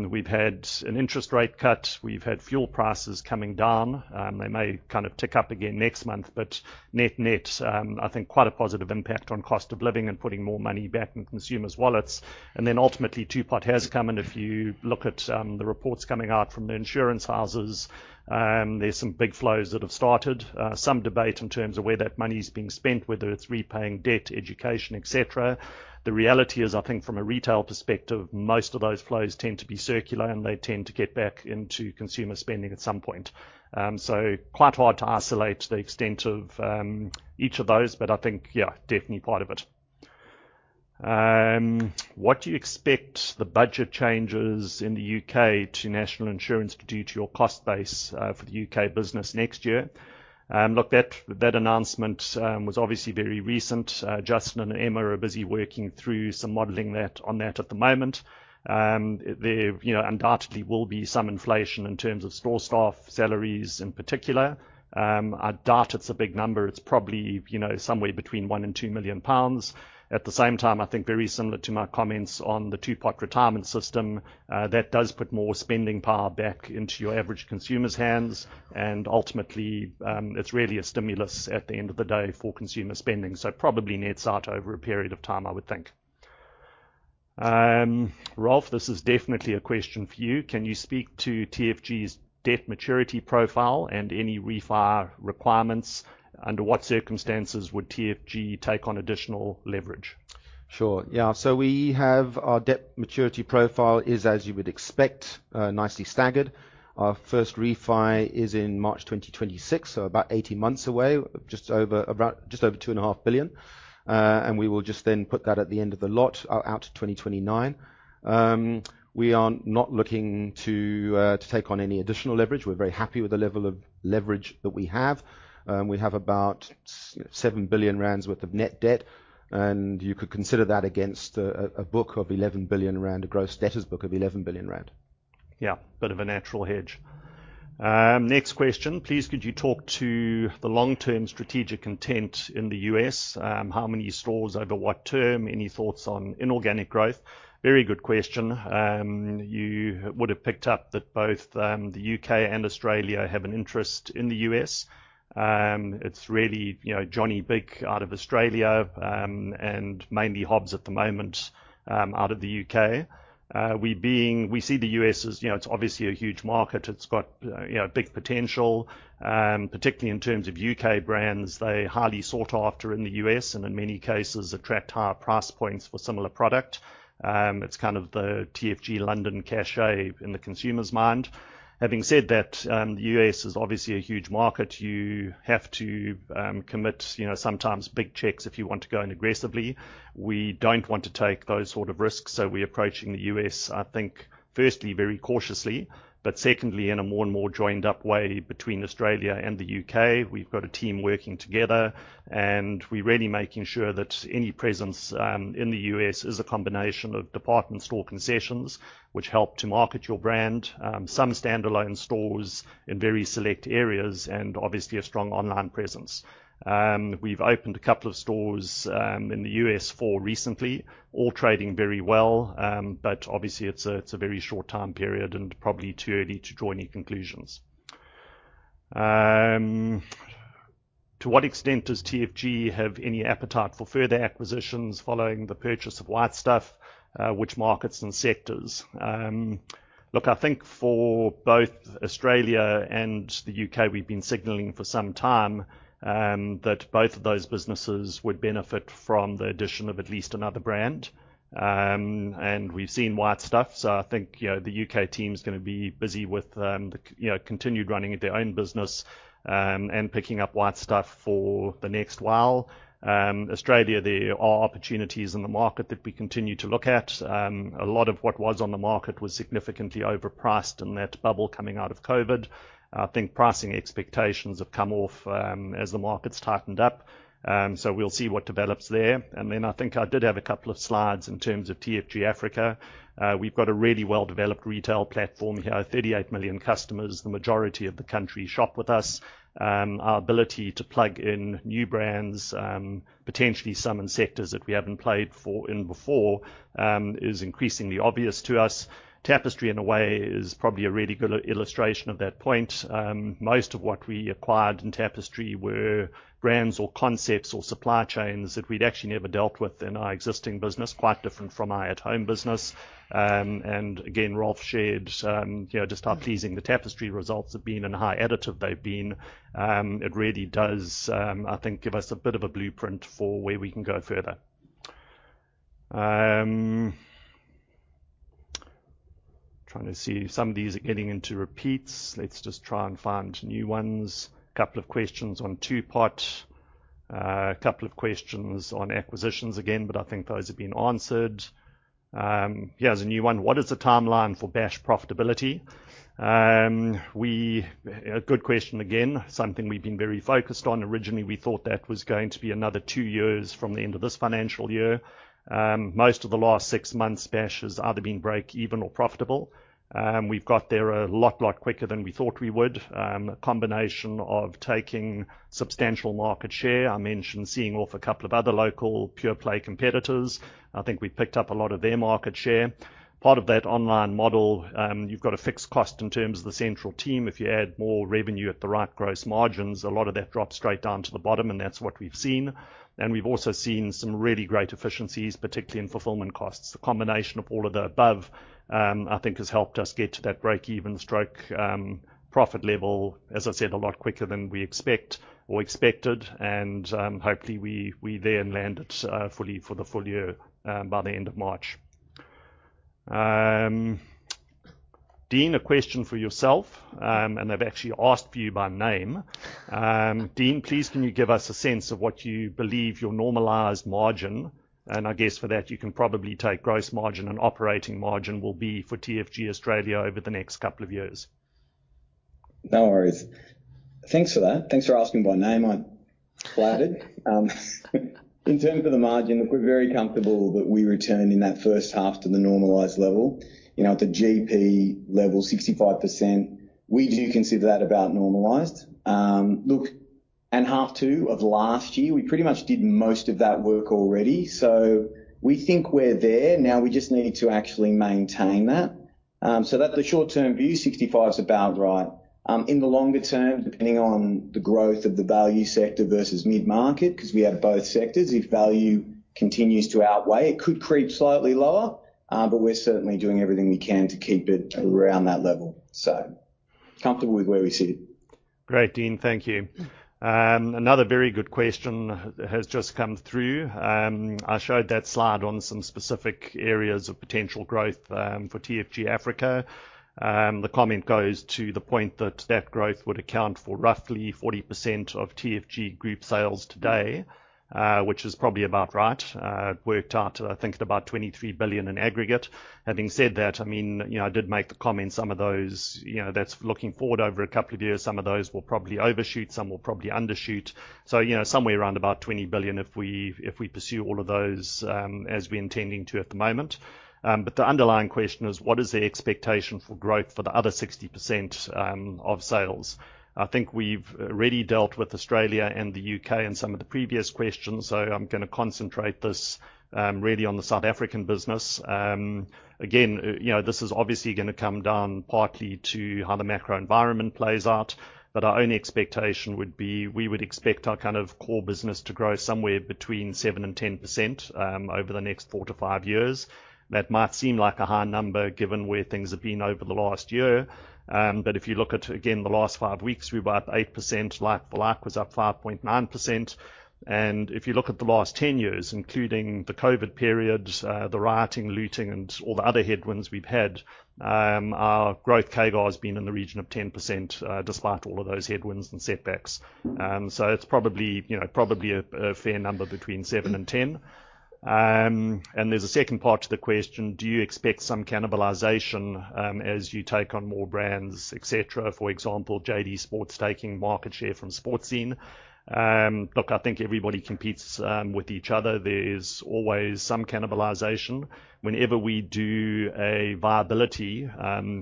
We've had an interest rate cut. We've had fuel prices coming down. They may kind of tick up again next month, but net net I think quite a positive impact on cost of living and putting more money back into consumers' wallets. Then ultimately Two-Pot has come. If you look at the reports coming out from the insurance houses, there's some big flows that have started some debate in terms of where that money is being spent, whether it's repaying debt, education, etc. The reality is, I think from a. Retail perspective most of those flows tend to be circular and they tend to get back into consumer spending at some point. So quite hard to isolate the extent of each of those. But I think yeah, definitely part of it. What do you expect the budget changes? In the UK to National Insurance to do to your cost base for the UK business next year? Look, that announcement was obviously very recent. Justin and Emma are busy working through some modeling on that at the moment. There, you know, undoubtedly will be some inflation in terms of store staff salaries in particular. I doubt it's a big number. It's probably, you know, somewhere between 1. 2 million pounds. At the same time I think very. Similar to my comments on the two. Two-Pot Retirement System that does put more spending power back into your average consumer's hands and ultimately it's really a stimulus at the end of the day for consumer spending. So probably nets out over a period. Of time I would think. Rolf, this is definitely a question for you. Can you speak to TFG's debt maturity profile and any refi requirements? Under what circumstances would TFG take on additional leverage? Sure, yeah. So we have our debt maturity profile is as you would expect, nicely staggered. Our first refi is in March 2026, so about 18 months away. About 2.5 billion and we will just then put that at the end of the loan out to 2029. We are not looking to take on any additional leverage. We're very happy with the level of leverage that we have. We have about 7 billion rand worth of net debt and you could consider that against a book of 11 billion rand. A gross debtors book of 11 billion rand. Yeah, bit of a natural hedge. Next question please. Could you talk to the long-term strategic context in the U.S.? How many stores, over what term? Any thoughts on inorganic growth? Very good question. You would have picked up that both the UK and Australia have an interest in the US. It's really Johnny Bick out of Australia and mainly Hobbs at the moment out of the UK. We see the US as it's obviously a huge market, it's got big potential, particularly in terms of UK brands. They highly sought after in the US and it's in many cases attract higher. Price points for similar product. It's kind of the TFG London cachet. In the consumer's mind. Having said that, the U.S. is obviously a huge market. You have to commit sometimes big checks if you want to go in aggressively. We don't want to take those sort of risks. So we're approaching the U.S. I think. Firstly, very cautiously, but secondly in a. More and more joined up way between Australia and the U.K. We've got a team working together, and we're really making sure that any presence in the U.S. is a combination of department store concessions which help to market your brand, some standalone stores in very select areas, and obviously a strong online presence. We've opened a couple of stores in the U.S. quite recently, all trading very well, but obviously it's a very short time period and probably too early to draw any conclusions. To what extent does TFG have any? Appetite for further acquisitions following the purchase of White Stuff? Which markets and sectors? Look, I think for both Australia and the UK we've been signaling for some time that both of those businesses would benefit from the addition of at least another brand and. We've seen White Stuff. I think the UK team's going to be busy with the, you know, continued running their own business and picking up White Stuff for the next while. Australia, there are opportunities in the market that we continue to look at. A lot of what was on the market was significantly overpriced in that bubble coming out of COVID. I think pricing expectations have come off as the markets tightened up. So we'll see what develops there. And then I think I did have. A couple of slides in terms of TFG Africa. We've got a really well developed retail platform here, 38 million customers, the majority. Of the country, shop with us. Our ability to plug in new brands, potentially some in sectors that we haven't played in before is increasingly obvious to us. Tapestry in a way is probably. Really good illustration of that point. Most of what we acquired in Tapestry. Were brands or concepts or supply chains that we'd actually never dealt with in our existing business. Quite different from our at home business. Again, Rolf shared just how pleasing the Tapestry results have been and how additive they've been. It really does, I think, give us. A bit of a blueprint for where. We can go further. Trying to see some of these are getting into repeats. Let's just try and find new ones. A couple of questions on two potential. A couple of questions on acquisitions again, but I think those have been answered. Here's a new one. What is the timeline for Bash profitability? That's a good question again, something we've been very focused on. Originally we thought that was going to. Be another two years from the end. Of this financial year, most of the last six months, Bash has either been. Break even or profitable. We've got there a lot, lot quicker than we thought we would. A combination of taking substantial market share. I mentioned seeing off a couple of other local pure play competitors. I think we picked up a lot of their market share. Part of that online model, you've got. A fixed cost in terms of the central team. If you add more revenue at the right gross margins, a lot of that drops straight down to the bottom, and that's what we've seen. We've also seen some really great efficiencies, particularly in fulfillment costs. The combination of all of the above I think has helped us get to that break even strike profit level as I said, a lot quicker than we expect or expected and hopefully we then land it fully for the full year by the end of March. Dean, a question for yourself. And they've actually asked for you by name. Dean, please. Can you give us a sense of what you believe your normalized margin and I guess for that you can probably take gross margin and operating margin will be for TFG Australia over the next quarter, couple of years. No worries. Thanks for that. Thanks for asking by name. I flattered. In terms of the margin look, we're very comfortable that we return in that first half to the normalized level. You know, at the GP level, 65% we do consider that about normalized look and half two of last year we pretty much did most of that work already. So we think we're there now. We just need to actually maintain that so that the short-term view 65 is about right. In the longer term, depending on the growth of the value sector versus mid-market, because we have both sectors, if value continues to outweigh, it could creep slightly lower. But we're certainly doing everything we can to keep it around that level. So comfortable with where we sit. Great, Dean, thank you. Another very good question has just come through. I showed that slide on some specific areas of potential growth for TFG Africa. The comment goes to the point that that growth would account for roughly 40% of TFG Group sales today, which is probably about right worked out I think at about R23 billion in aggregate. Having said that, I mean, you know, I did make the comments. Some of those, you know, that's looking forward over a couple of years. Some of those will probably overshoot, some will probably undershoot. So, you know, somewhere around about R20 billion. If we, if we pursue all of those as we're intending to at the moment, but the underlying question is what is the expectation for growth for the other 60% of sales? I think we've already dealt with Australia. And the UK in some of the previous questions. So I'm going to concentrate this really on the South African business. Again, you know, this is obviously going to come down partly to how the macro environment plays out, but our only expectation would be we would expect our kind of core business to grow somewhere between 7%-10% over the next four to five years. That might seem like a high number. Given where things have been over the last year, but if you look at, again, the last five weeks, we were up 8%, like the like-for-like was up 5.9%. And if you look at the last 10 years, including the COVID period, the rioting, looting and all the other headwinds we've had, our growth CAGR has been in the region of 10% despite all of those headwinds and setbacks. So it's probably a fair number between seven and 10. And there's a second part to the question. Do you expect some cannibalization as you take on more brands, et cetera, for example, JD Sports taking market share from Sportscene? Look, I think everybody competes with each other. There is always some cannibalization. Whenever we do a viability,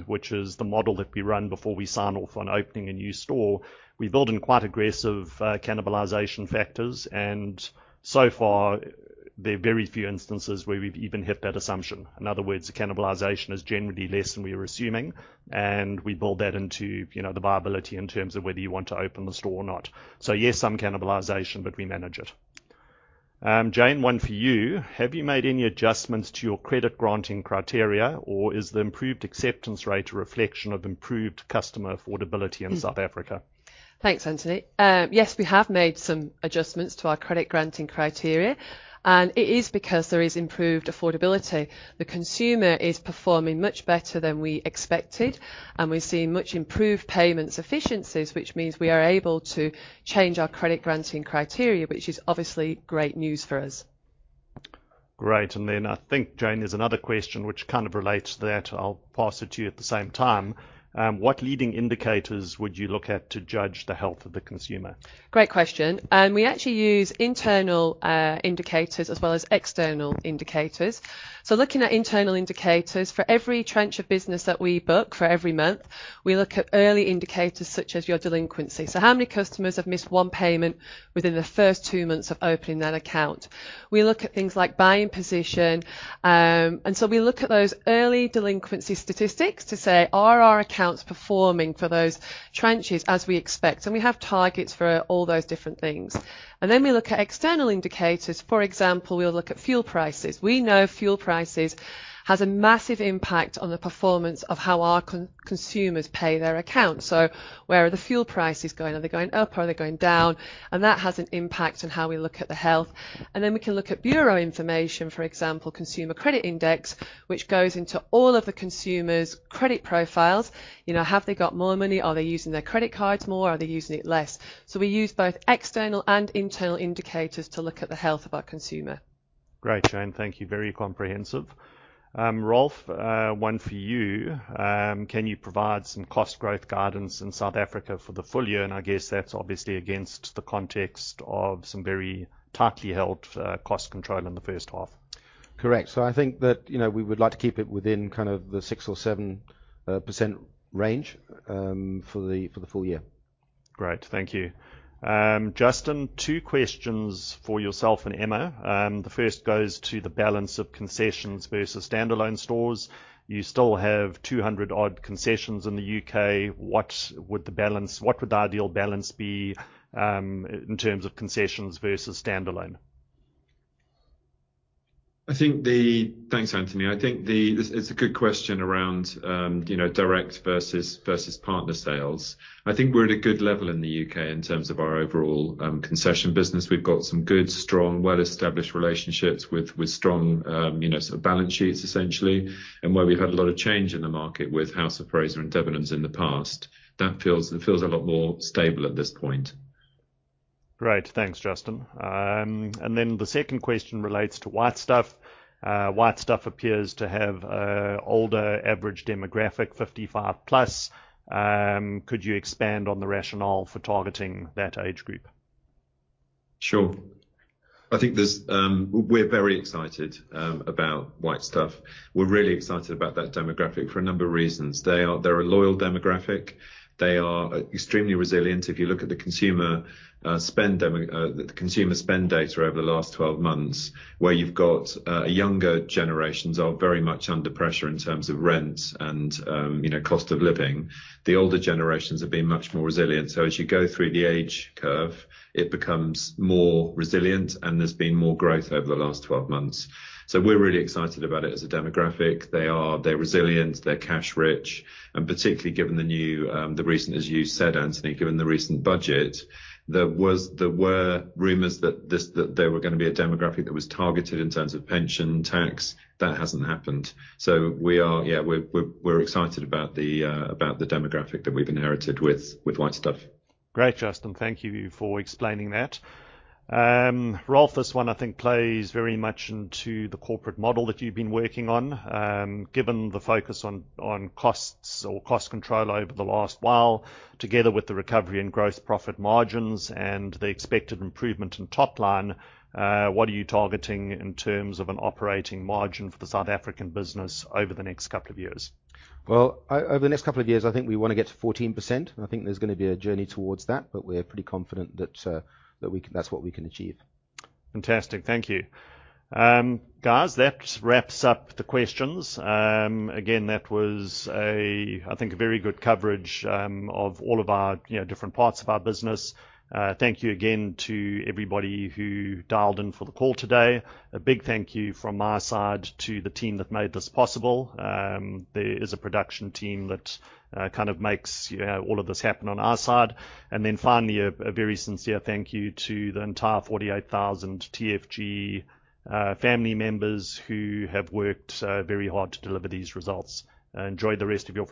which is. The model that we run before. We sign off on opening a new store, we build in quite aggressive cannibalization factors. And so far there are very few instances where we've even hit that assumption. In other words, the cannibalization is generally less than we were assuming and we build that into, you know, the viability in terms of whether you want to open the store or not. So yes, some cannibalization, but we manage it. Jane, one for you. Have you made any adjustments to your? Credit granting criteria, or is the improved. Acceptance rate a reflection of improved customer. Affordability in South Africa? Thanks, Anthony. Yes, we have made some adjustments to our credit granting criteria and it is because there is improved affordability. The consumer is performing much better than we expected, and we've seen much improved payments efficiencies, which means we are able to change our credit granting criteria, which is obviously great news for us. Great. And then I think, Jane, there's another question which kind of relates to that. I'll pass it to you. At the same time, what leading indicators? Would you look at to judge the. Health of the consumer? Great question. We actually use internal indicators as well as external indicators. So looking at internal indicators for every tranche of business that we book for every month. We look at early indicators such as your delinquency. So how many customers have missed one payment within the first two months of opening that account? We look at things like buying position. And so we look at those early delinquency statistics to say are our accounts performing for those tranches as we expect? And we have targets for all those different things. And then we look at external indicators. For example, we'll look at fuel prices. We know fuel prices has a massive impact on the performance of how our consumers pay their account. So where are the fuel prices going? Are they going up, are they going down? And that has an impact on how we look at the health. And then we can look at bureau information, for example, Consumer Credit Index, which goes into all of the consumers' credit profiles. You know, have they got more money? Are they using their credit cards more? Are they using it less? So we use both external and internal indicators to look at the health of our consumer. Great. Jane, thank you. Very comprehensive. Rolf, one for you. Can you provide some cost growth guidance in South Africa for the full year? And I guess that's obviously against the context of some very tightly held cost control in the first half. Correct. So I think that, you know, we would like to keep it within kind of the 6%-7% range for the full year. Great, thank you. Justin, two questions for yourself and Emma. The first goes to the balance of concessions versus standalone stores. You still have 200 odd concessions in the UK. What would the ideal balance be in terms of concessions versus standalone? I think. Thanks, Anthony. I think it's a good question around direct versus partner sales. I think we're at a good level in the U.K. in terms of our overall concession business. We've got some good, strong, well established relationships with strong balance sheets essentially and where we've had a lot of change in the market with House of Fraser and Debenhams in the past. That feels a lot more stable at this point. Great, thanks, Justin. And then the second question relates to White Stuff. White Stuff appears to have older average demographic, 55 plus. Could you expand on the rationale for? Targeting that age group? Sure. I think we're very excited about White Stuff. We're really excited about that demographic for a number of reasons. They're a loyal demographic. They are extremely resilient. If you look at the consumer spend demo, the consumer spend data over the last 12 months, where you've got younger generations are very much under pressure in terms of rent and cost of living. The older generations have been much more resilient. So as you go through the age curve, it becomes more resilient and there's been more growth over the last 12 months. So we're really excited about it. As a demographic, they're resilient, they're cash rich. And particularly given the new, the recent, as you said, Anthony, given the recent budget, there were rumors that there were going to be a demographic that was targeted in terms of pension tax. That hasn't happened. We are, yeah, we're excited about the demographic that we've inherited with White Stuff. Great. Justin, thank you for explaining that. Rolf, this one, I think, plays very much into the corporate model that you've been working on. Given the focus on costs or cost control over the last while, together with the recovery in gross profit margins and the expected improvement in top line. What are you targeting in terms of an operating margin for the South African business over the next couple of years? Over the next couple of years, I think we want to get to 14%. I think there's going to be a journey towards that, but we're pretty confident that that's what we can achieve. Fantastic. Thank you, guys. That wraps up the questions again. That was a, I think, a very good coverage of all of our different parts of our business. Thank you again to everybody who dialed in for the call today. A big thank you from my side. To the team that made this possible. There is a production team that kind of makes all of this happen on our side. And then finally, a very sincere thank you to the entire 48,000 TFG family members who have worked very hard to deliver these results. Enjoy the rest of your Friday.